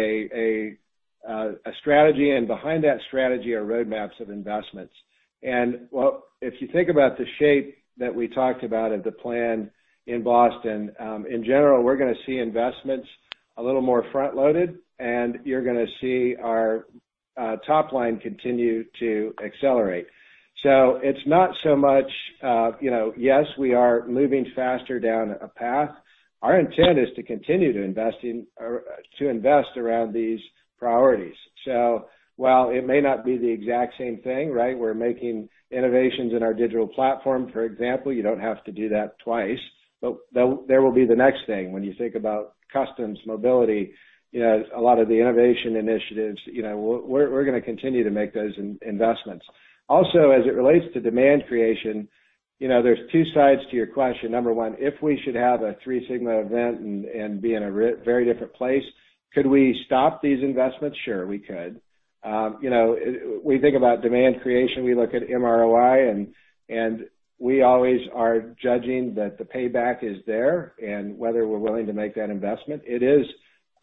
a strategy, and behind that strategy are roadmaps of investments. If you think about the shape that we talked about at the plan in Boston, in general, we're going to see investments a little more front-loaded, and you're going to see our top line continue to accelerate. It's not so much, yes, we are moving faster down a path. Our intent is to continue to invest around these priorities. While it may not be the exact same thing, we're making innovations in our digital platform, for example. You don't have to do that twice. There will be the next thing. When you think about Customs, mobility, a lot of the innovation initiatives, we're going to continue to make those investments. Also, as it relates to demand creation, there's two sides to your question. Number 1, if we should have a three sigma event and be in a very different place, could we stop these investments? Sure, we could. We think about demand creation, we look at MROI, and we always are judging that the payback is there and whether we're willing to make that investment. It is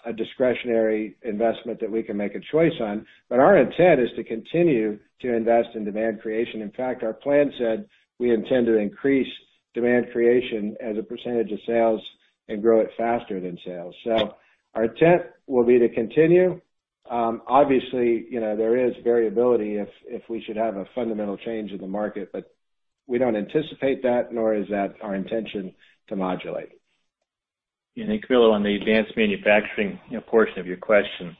a discretionary investment that we can make a choice on. Our intent is to continue to invest in demand creation. In fact, our plan said we intend to increase demand creation as a percentage of sales and grow it faster than sales. Our intent will be to continue. Obviously, there is variability if we should have a fundamental change in the market, but we don't anticipate that, nor is that our intention to modulate. Camilo, on the advanced manufacturing portion of your question.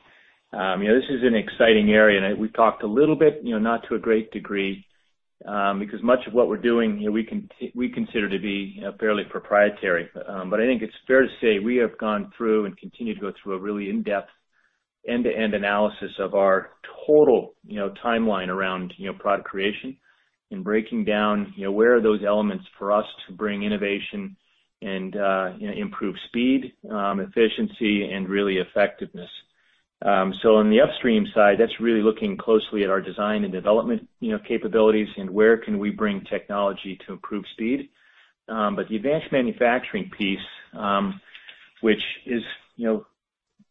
This is an exciting area, and we talked a little bit, not to a great degree because much of what we're doing here we consider to be fairly proprietary. I think it's fair to say we have gone through and continue to go through a really in-depth, end-to-end analysis of our total timeline around product creation and breaking down where are those elements for us to bring innovation and improve speed, efficiency, and really effectiveness. On the upstream side, that's really looking closely at our design and development capabilities and where can we bring technology to improve speed. The advanced manufacturing piece, which is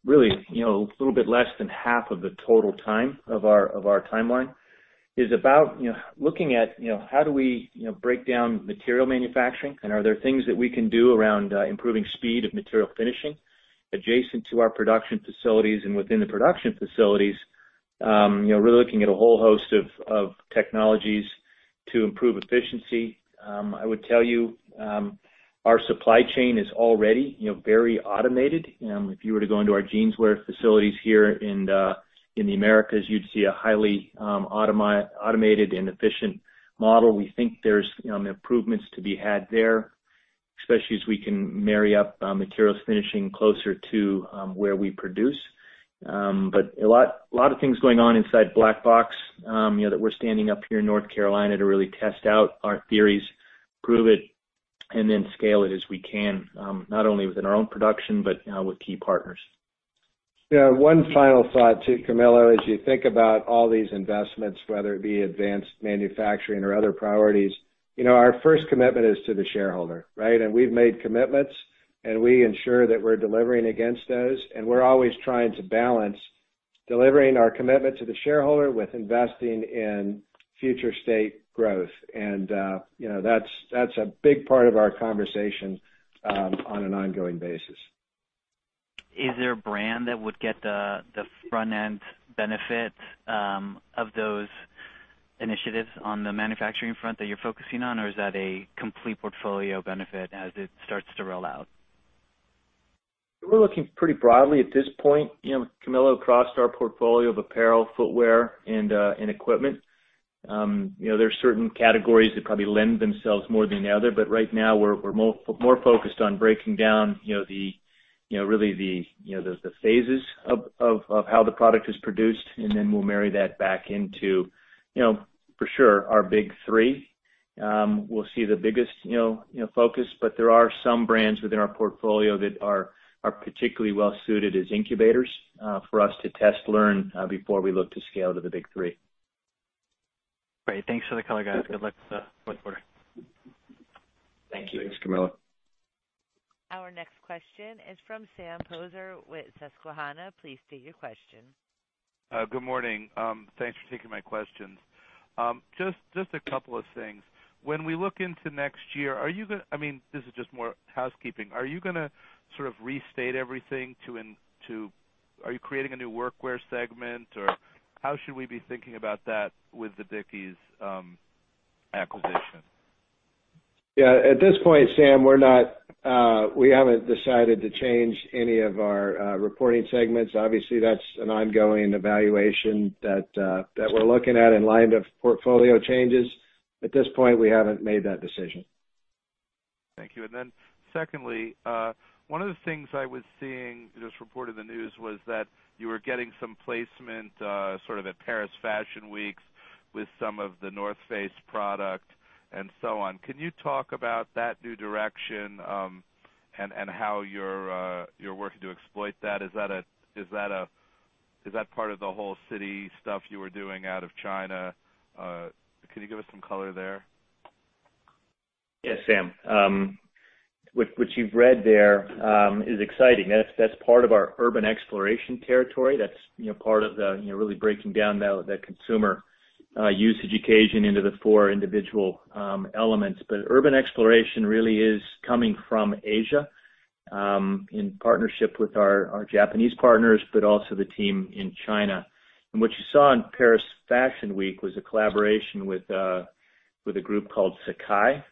really a little bit less than half of the total time of our timeline, is about looking at how do we break down material manufacturing and are there things that we can do around improving speed of material finishing. Adjacent to our production facilities and within the production facilities, we're looking at a whole host of technologies to improve efficiency. I would tell you our supply chain is already very automated. If you were to go into our jeanswear facilities here in the Americas, you'd see a highly automated and efficient model. We think there's improvements to be had there, especially as we can marry up materials finishing closer to where we produce. A lot of things going on inside Black Box that we're standing up here in North Carolina to really test out our theories, prove it, and then scale it as we can, not only within our own production, but with key partners. Yeah. One final thought, too, Camilo. As you think about all these investments, whether it be advanced manufacturing or other priorities, our first commitment is to the shareholder, right? We've made commitments, and we ensure that we're delivering against those. We're always trying to balance delivering our commitment to the shareholder with investing in future state growth. That's a big part of our conversation on an ongoing basis. Is there a brand that would get the front-end benefit of those initiatives on the manufacturing front that you're focusing on, or is that a complete portfolio benefit as it starts to roll out? We're looking pretty broadly at this point, Camilo, across our portfolio of apparel, footwear, and equipment. There are certain categories that probably lend themselves more than the other, but right now we're more focused on breaking down really the phases of how the product is produced, and then we'll marry that back into, for sure, our big three will see the biggest focus. There are some brands within our portfolio that are particularly well suited as incubators for us to test, learn, before we look to scale to the big three. Great. Thanks for the color, guys. Good luck with the fourth quarter. Thank you. Thanks, Camilo. Our next question is from Sam Poser with Susquehanna. Please state your question. Good morning. Thanks for taking my questions. Just a couple of things. When we look into next year, this is just more housekeeping, are you going to sort of restate everything? Are you creating a new workwear segment, or how should we be thinking about that with the Dickies acquisition? Yeah. At this point, Sam, we haven't decided to change any of our reporting segments. Obviously, that's an ongoing evaluation that we're looking at in line of portfolio changes. At this point, we haven't made that decision. Thank you. Secondly, one of the things I was seeing just reported in the news was that you were getting some placement sort of at Paris Fashion Week with some of The North Face product and so on. Can you talk about that new direction and how you're working to exploit that? Is that part of the whole city stuff you were doing out of China? Can you give us some color there? Yes, Sam. What you've read there is exciting. That's part of our Urban Exploration territory. That's part of really breaking down the consumer usage occasion into the four individual elements. Urban Exploration really is coming from Asia, in partnership with our Japanese partners, also the team in China. What you saw in Paris Fashion Week was a collaboration with a group called Sacai,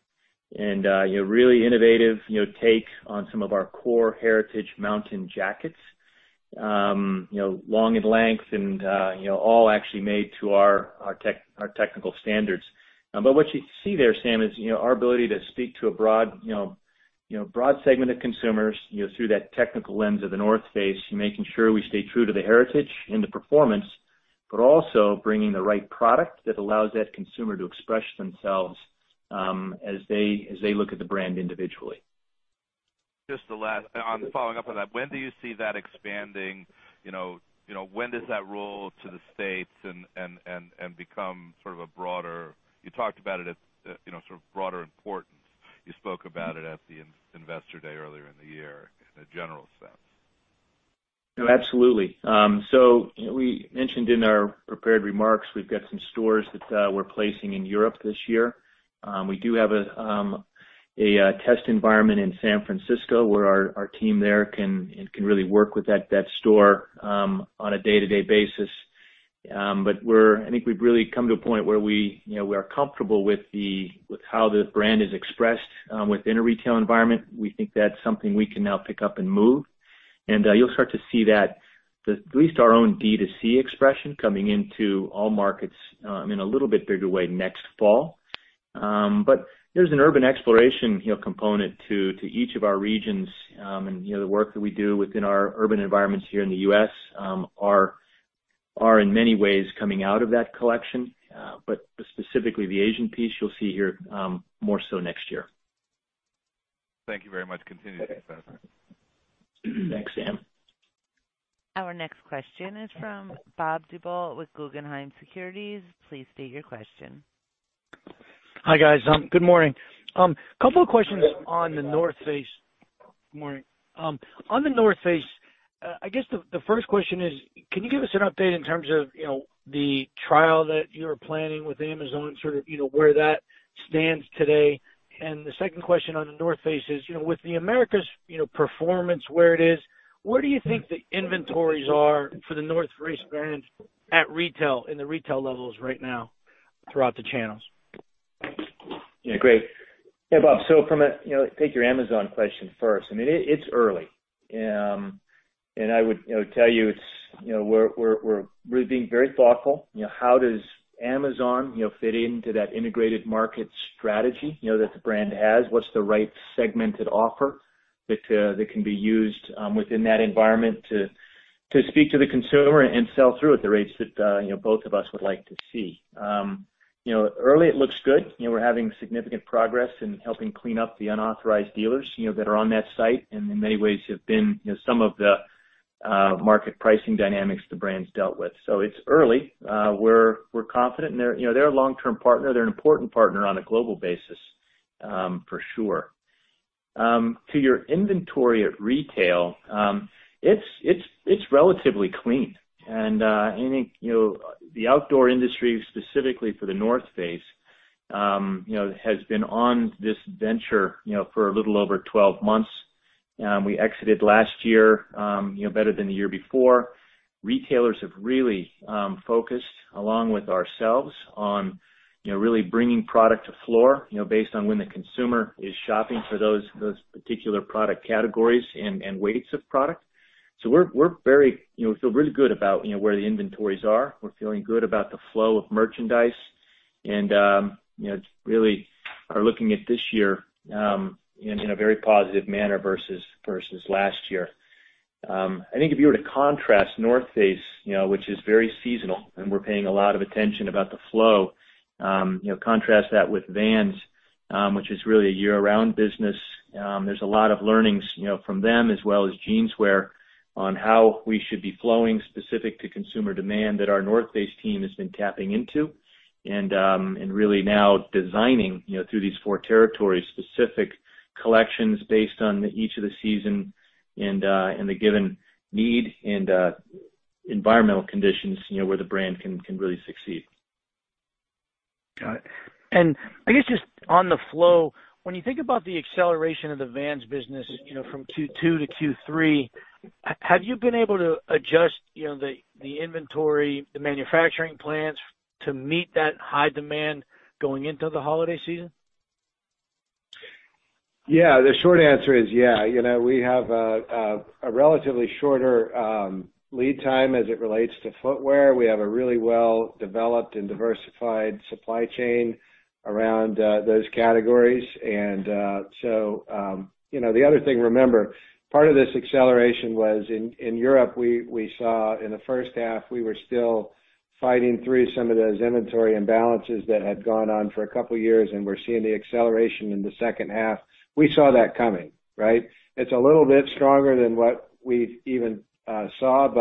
a really innovative take on some of our core heritage mountain jackets. Long in length and all actually made to our technical standards. What you see there, Sam, is our ability to speak to a broad segment of consumers through that technical lens of The North Face, making sure we stay true to the heritage, the performance, also bringing the right product that allows that consumer to express themselves as they look at the brand individually. Following up on that, when do you see that expanding? When does that roll to the States and become sort of a broader? You talked about it as sort of broader importance. You spoke about it at the investor day earlier in the year in a general sense. No, absolutely. We mentioned in our prepared remarks, we've got some stores that we're placing in Europe this year. We do have a test environment in San Francisco where our team there can really work with that store on a day-to-day basis. I think we've really come to a point where we are comfortable with how the brand is expressed within a retail environment. We think that's something we can now pick up and move. You'll start to see that at least our own D2C expression coming into all markets in a little bit bigger way next fall. There's an Urban Exploration component to each of our regions. The work that we do within our urban environments here in the U.S. are in many ways coming out of that collection. Specifically the Asian piece you'll see here more so next year. Thank you very much. Continue to do fantastic. Thanks, Sam. Our next question is from Bob Drbul with Guggenheim Securities. Please state your question. Hi, guys. Good morning. A couple of questions on The North Face. Good morning. On The North Face, I guess the first question is, can you give us an update in terms of the trial that you're planning with Amazon, sort of where that stands today? The second question on The North Face is, with the Americas performance where it is, where do you think the inventories are for The North Face brand at retail, in the retail levels right now throughout the channels? Yeah, great. Hey, Bob. Take your Amazon question first. It's early. I would tell you we're really being very thoughtful. How does Amazon fit into that integrated market strategy that the brand has? What's the right segmented offer that can be used within that environment to speak to the consumer and sell through at the rates that both of us would like to see? Early, it looks good. We're having significant progress in helping clean up the unauthorized dealers that are on that site, and in many ways have been some of the market pricing dynamics the brand's dealt with. It's early. We're confident. They're a long-term partner. They're an important partner on a global basis, for sure. To your inventory at retail, it's relatively clean. I think the outdoor industry, specifically for The North Face, has been on this venture for a little over 12 months. We exited last year better than the year before. Retailers have really focused, along with ourselves, on really bringing product to floor based on when the consumer is shopping for those particular product categories and weights of product. We feel really good about where the inventories are. We're feeling good about the flow of merchandise, and really are looking at this year in a very positive manner versus last year. I think if you were to contrast North Face, which is very seasonal, and we're paying a lot of attention about the flow. Contrast that with Vans, which is really a year-round business. There's a lot of learnings from them as well as Jeanswear on how we should be flowing specific to consumer demand that our The North Face team has been tapping into. Really now designing through these four territories, specific collections based on each of the season and the given need and environmental conditions where the brand can really succeed. Got it. I guess just on the flow, when you think about the acceleration of the Vans business from Q2 to Q3, have you been able to adjust the inventory, the manufacturing plans to meet that high demand going into the holiday season? Yeah. The short answer is yeah. We have a relatively shorter lead time as it relates to footwear. We have a really well-developed and diversified supply chain around those categories. The other thing, remember, part of this acceleration was in Europe, we saw in the first half, we were still fighting through some of those inventory imbalances that had gone on for a couple of years, and we're seeing the acceleration in the second half. We saw that coming, right? It's a little bit stronger than what we even saw.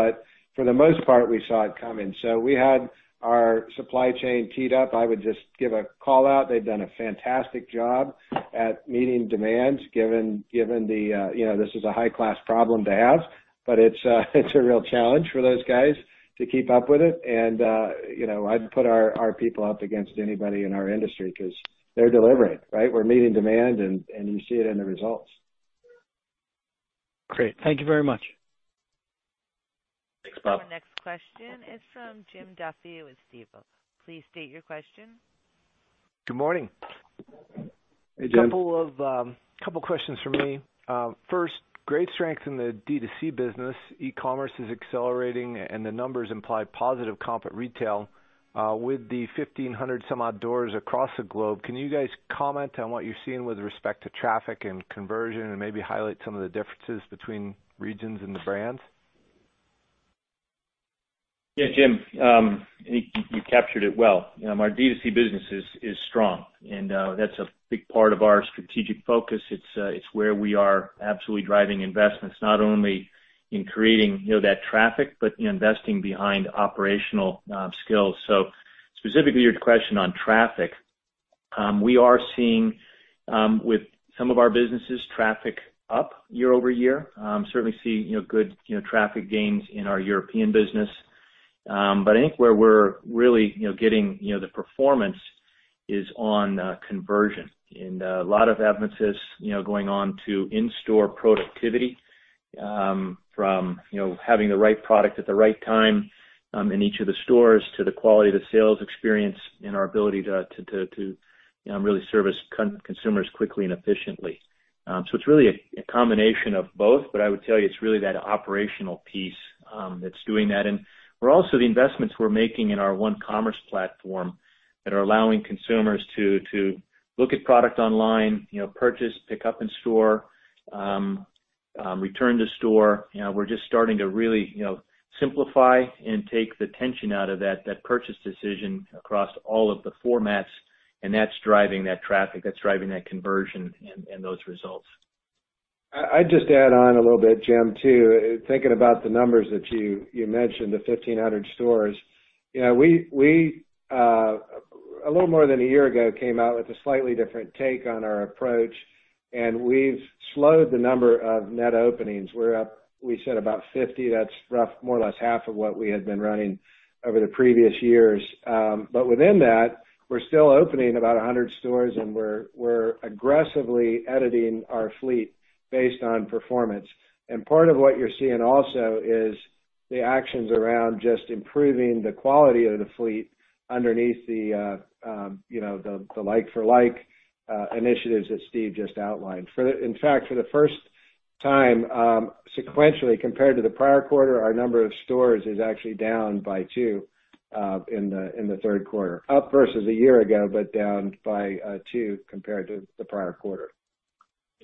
For the most part, we saw it coming. We had our supply chain teed up. I would just give a call-out. They've done a fantastic job at meeting demands, given this is a high-class problem to have. It's a real challenge for those guys to keep up with it. I'd put our people up against anybody in our industry because they're delivering, right? We're meeting demand, and you see it in the results. Great. Thank you very much. Thanks, Bob. Our next question is from Jim Duffy with Stifel. Please state your question. Good morning. Hey, Jim. A couple questions from me. First, great strength in the D2C business. E-commerce is accelerating and the numbers imply positive comp at retail. With the 1,500 some odd doors across the globe, can you guys comment on what you're seeing with respect to traffic and conversion, and maybe highlight some of the differences between regions and the brands? Yeah, Jim, I think you captured it well. Our D2C business is strong, and that's a big part of our strategic focus. It's where we are absolutely driving investments, not only in creating that traffic, but investing behind operational skills. Specifically, your question on traffic. We are seeing, with some of our businesses, traffic up year-over-year. Certainly seeing good traffic gains in our European business. I think where we're really getting the performance is on conversion. A lot of that emphasis going on to in-store productivity from having the right product at the right time in each of the stores to the quality of the sales experience and our ability to really service consumers quickly and efficiently. It's really a combination of both, but I would tell you it's really that operational piece that's doing that. Also the investments we're making in our one commerce platform that are allowing consumers to look at product online, purchase, pick up in store, return to store. We're just starting to really simplify and take the tension out of that purchase decision across all of the formats. That's driving that traffic. That's driving that conversion and those results. I'd just add on a little bit, Jim. Thinking about the numbers that you mentioned, the 1,500 stores. We, a little more than a year ago, came out with a slightly different take on our approach. We've slowed the number of net openings. We're up, we said, about 50. That's rough, more or less half of what we had been running over the previous years. Within that, we're still opening about 100 stores, and we're aggressively editing our fleet based on performance. Part of what you're seeing also is the actions around just improving the quality of the fleet underneath the like for like initiatives that Steve just outlined. In fact, for the first time, sequentially, compared to the prior quarter, our number of stores is actually down by two in the third quarter. Up versus a year ago, down by two compared to the prior quarter.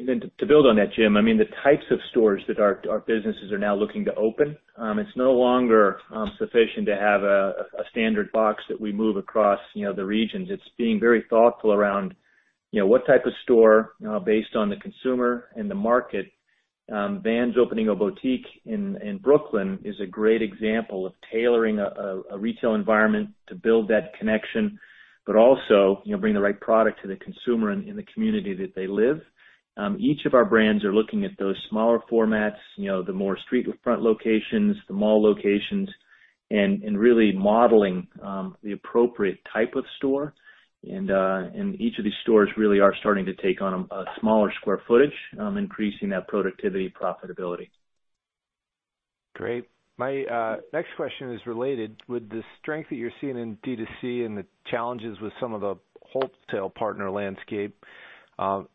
To build on that, Jim, the types of stores that our businesses are now looking to open, it's no longer sufficient to have a standard box that we move across the regions. It's being very thoughtful around what type of store based on the consumer and the market. Vans opening a boutique in Brooklyn is a great example of tailoring a retail environment to build that connection. Also bring the right product to the consumer in the community that they live. Each of our brands are looking at those smaller formats, the more street front locations, the mall locations, and really modeling the appropriate type of store. Each of these stores really are starting to take on a smaller square footage, increasing that productivity profitability. Great. My next question is related. With the strength that you're seeing in D2C and the challenges with some of the wholesale partner landscape,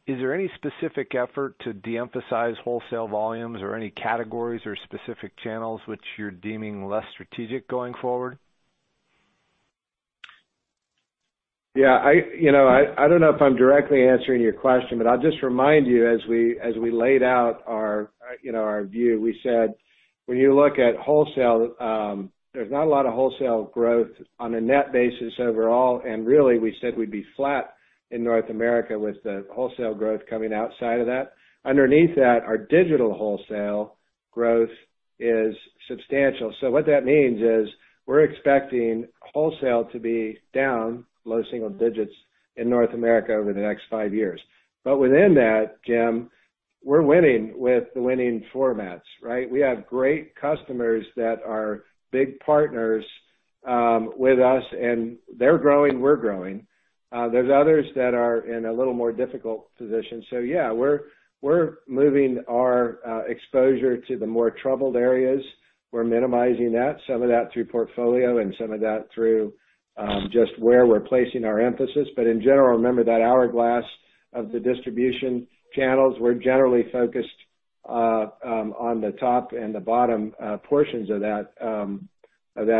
is there any specific effort to de-emphasize wholesale volumes or any categories or specific channels which you're deeming less strategic going forward? Yeah. I don't know if I'm directly answering your question, but I'll just remind you, as we laid out our view, we said when you look at wholesale, there's not a lot of wholesale growth on a net basis overall, and really, we said we'd be flat in North America with the wholesale growth coming outside of that. Underneath that, our digital wholesale growth is substantial. What that means is we're expecting wholesale to be down low single digits in North America over the next five years. Within that, Jim, we're winning with the winning formats, right? We have great customers that are big partners with us, and they're growing, we're growing. There's others that are in a little more difficult position. Yeah, we're moving our exposure to the more troubled areas. We're minimizing that, some of that through portfolio and some of that through just where we're placing our emphasis. In general, remember that hourglass of the distribution channels. We're generally focused on the top and the bottom portions of that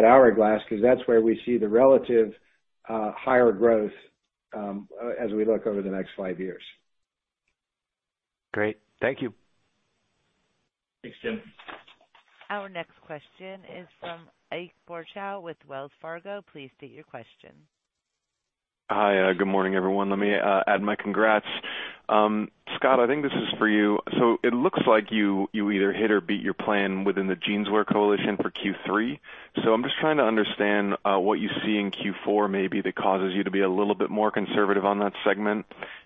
hourglass because that's where we see the relative higher growth as we look over the next five years. Great. Thank you. Thanks, Jim. Our next question is from Ike Boruchow with Wells Fargo. Please state your question. Hi. Good morning, everyone. Let me add my congrats. Scott, I think this is for you. It looks like you either hit or beat your plan within the Jeanswear Coalition for Q3. I'm just trying to understand what you see in Q4 maybe that causes you to be a little bit more conservative on that segment.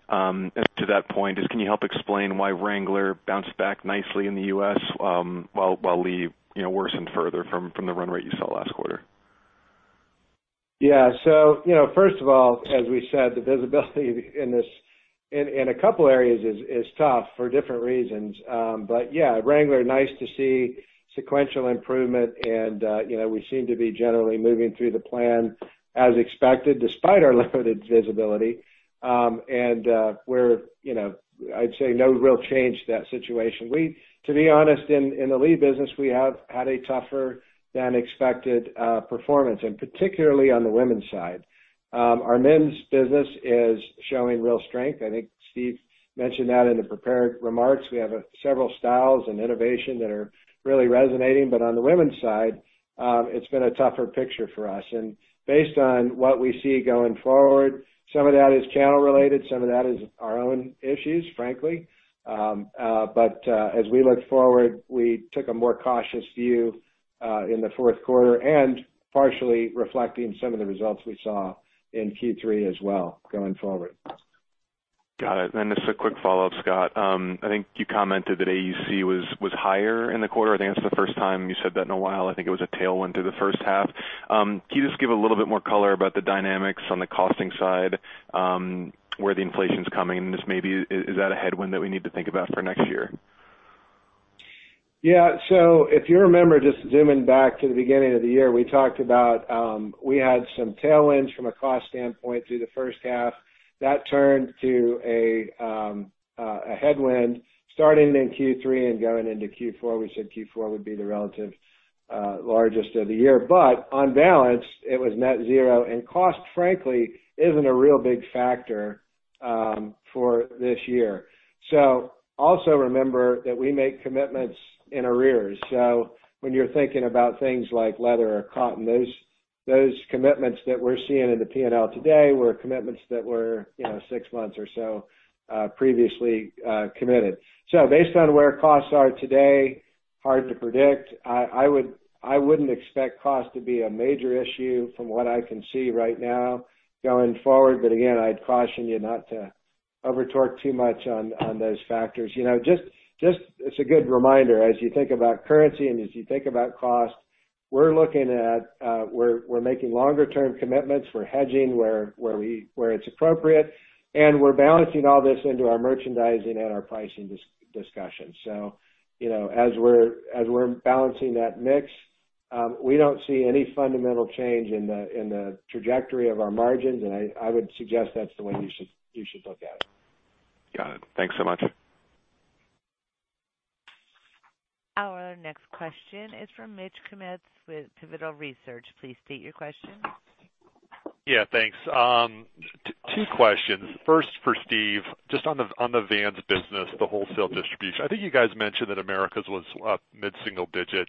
To that point, can you help explain why Wrangler bounced back nicely in the U.S. while Lee worsened further from the run rate you saw last quarter? Yeah. First of all, as we said, the visibility in a couple areas is tough for different reasons. Yeah, Wrangler, nice to see sequential improvement and we seem to be generally moving through the plan as expected despite our limited visibility. I'd say no real change to that situation. To be honest, in the Lee business, we have had a tougher than expected performance, particularly on the women's side. Our men's business is showing real strength. I think Steve mentioned that in the prepared remarks. We have several styles and innovation that are really resonating. On the women's side, it's been a tougher picture for us. Based on what we see going forward, some of that is channel related, some of that is our own issues, frankly. As we look forward, we took a more cautious view in the fourth quarter and partially reflecting some of the results we saw in Q3 as well going forward. Got it. Just a quick follow-up, Scott. I think you commented that AUC was higher in the quarter. I think that's the first time you said that in a while. I think it was a tailwind through the first half. Can you just give a little bit more color about the dynamics on the costing side, where the inflation's coming, and just maybe, is that a headwind that we need to think about for next year? If you remember, just zooming back to the beginning of the year, we talked about, we had some tailwinds from a cost standpoint through the first half. That turned to a headwind starting in Q3 and going into Q4. We said Q4 would be the relative largest of the year. On balance, it was net zero. Cost, frankly, isn't a real big factor for this year. Also remember that we make commitments in arrears. When you're thinking about things like leather or cotton, those commitments that we're seeing in the P&L today were commitments that were 6 months or so previously committed. Based on where costs are today, hard to predict. I wouldn't expect cost to be a major issue from what I can see right now going forward. Again, I'd caution you not to over talk too much on those factors. It's a good reminder as you think about currency and as you think about cost, we're making longer term commitments. We're hedging where it's appropriate, and we're balancing all this into our merchandising and our pricing discussions. As we're balancing that mix, we don't see any fundamental change in the trajectory of our margins, I would suggest that's the way you should look at it. Got it. Thanks so much. Our next question is from Mitch Kummetz with Pivotal Research. Please state your question. Yeah. Thanks. Two questions. First for Steve, just on the Vans business, the wholesale distribution. I think you guys mentioned that Americas was up mid-single digit.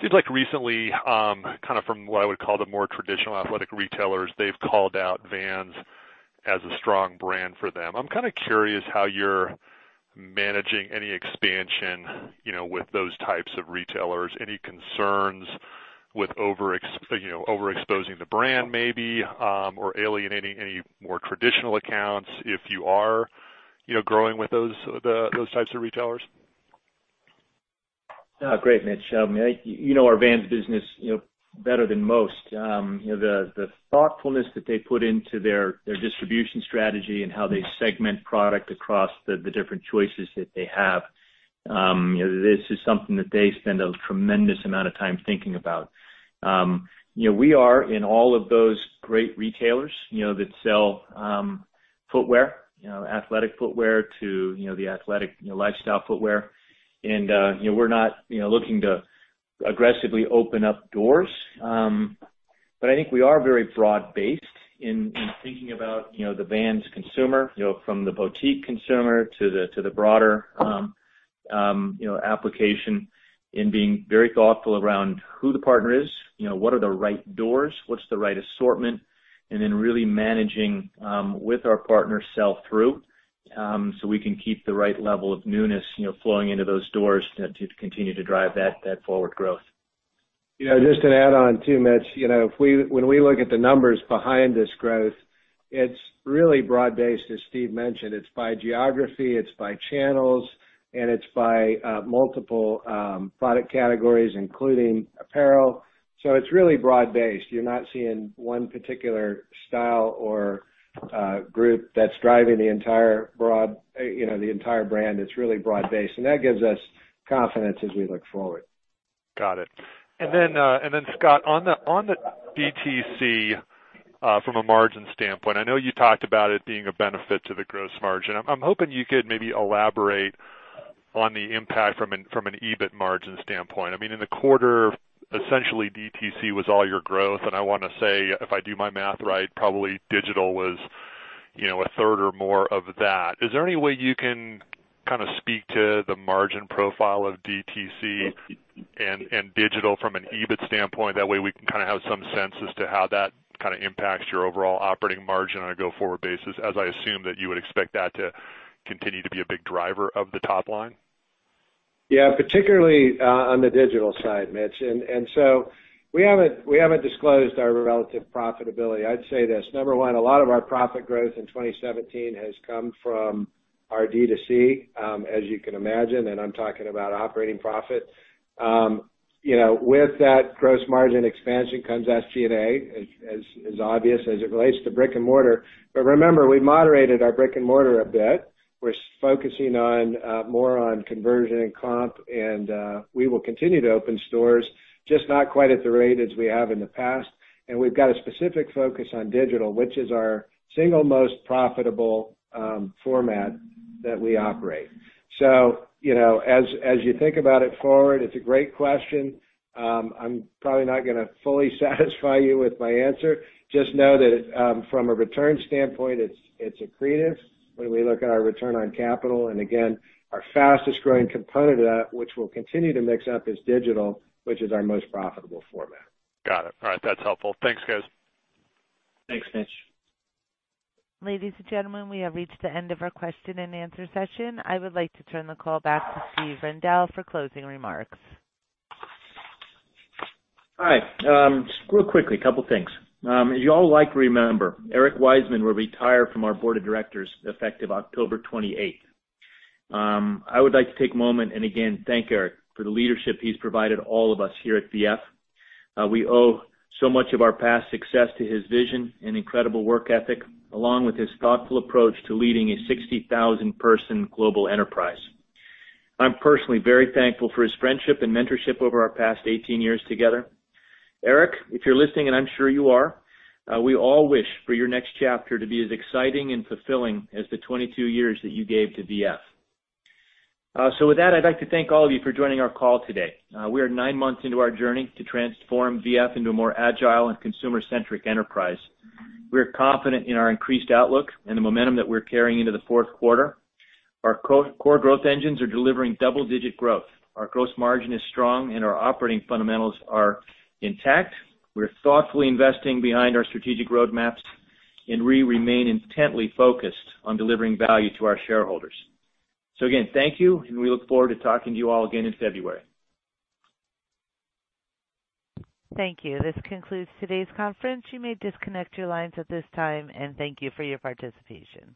Seems like recently, from what I would call the more traditional athletic retailers, they've called out Vans as a strong brand for them. I'm kind of curious how you're managing any expansion with those types of retailers. Any concerns with overexposing the brand maybe, or alienating any more traditional accounts if you are growing with those types of retailers? Great, Mitch. You know our Vans business better than most. The thoughtfulness that they put into their distribution strategy and how they segment product across the different choices that they have. This is something that they spend a tremendous amount of time thinking about. We are in all of those great retailers that sell footwear, athletic footwear to the athletic lifestyle footwear. We're not looking to aggressively open up doors. I think we are very broad-based in thinking about the Vans consumer, from the boutique consumer to the broader application in being very thoughtful around who the partner is, what are the right doors, what's the right assortment, really managing with our partners sell through, so we can keep the right level of newness flowing into those doors to continue to drive that forward growth. Just to add on too, Mitch. When we look at the numbers behind this growth, it's really broad based, as Steve mentioned. It's by geography, it's by channels, and it's by multiple product categories, including apparel. It's really broad based. You're not seeing one particular style or group that's driving the entire brand. It's really broad based, that gives us confidence as we look forward. Got it. Scott, on the DTC, from a margin standpoint, I know you talked about it being a benefit to the gross margin. I'm hoping you could maybe elaborate on the impact from an EBIT margin standpoint. In the quarter, essentially DTC was all your growth, and I want to say, if I do my math right, probably digital was a third or more of that. Is there any way you can speak to the margin profile of DTC and digital from an EBIT standpoint? That way we can have some sense as to how that impacts your overall operating margin on a go-forward basis, as I assume that you would expect that to continue to be a big driver of the top line. Yeah. Particularly on the digital side, Mitch. We haven't disclosed our relative profitability. I'd say this, number one, a lot of our profit growth in 2017 has come from our DTC, as you can imagine, and I'm talking about operating profit. With that gross margin expansion comes SG&A, as obvious as it relates to brick and mortar. Remember, we moderated our brick and mortar a bit. We're focusing more on conversion and comp, and we will continue to open stores, just not quite at the rate as we have in the past. We've got a specific focus on digital, which is our single most profitable format that we operate. As you think about it forward, it's a great question. I'm probably not going to fully satisfy you with my answer. Just know that from a return standpoint, it's accretive when we look at our return on capital. Again, our fastest growing component of that, which we'll continue to mix up, is digital, which is our most profitable format. Got it. All right. That's helpful. Thanks, guys. Thanks, Mitch. Ladies and gentlemen, we have reached the end of our question and answer session. I would like to turn the call back to Steve Rendle for closing remarks. Hi. Real quickly, couple things. As you all likely remember, Eric Wiseman will retire from our board of directors effective October 28th. I would like to take a moment and again thank Eric for the leadership he's provided all of us here at VF. We owe so much of our past success to his vision and incredible work ethic, along with his thoughtful approach to leading a 60,000-person global enterprise. I'm personally very thankful for his friendship and mentorship over our past 18 years together. Eric, if you're listening, and I'm sure you are, we all wish for your next chapter to be as exciting and fulfilling as the 22 years that you gave to VF. With that, I'd like to thank all of you for joining our call today. We are nine months into our journey to transform VF into a more agile and consumer-centric enterprise. We're confident in our increased outlook and the momentum that we're carrying into the fourth quarter. Our core growth engines are delivering double-digit growth. Our gross margin is strong, and our operating fundamentals are intact. We're thoughtfully investing behind our strategic roadmaps, and we remain intently focused on delivering value to our shareholders. Again, thank you, and we look forward to talking to you all again in February. Thank you. This concludes today's conference. You may disconnect your lines at this time, and thank you for your participation.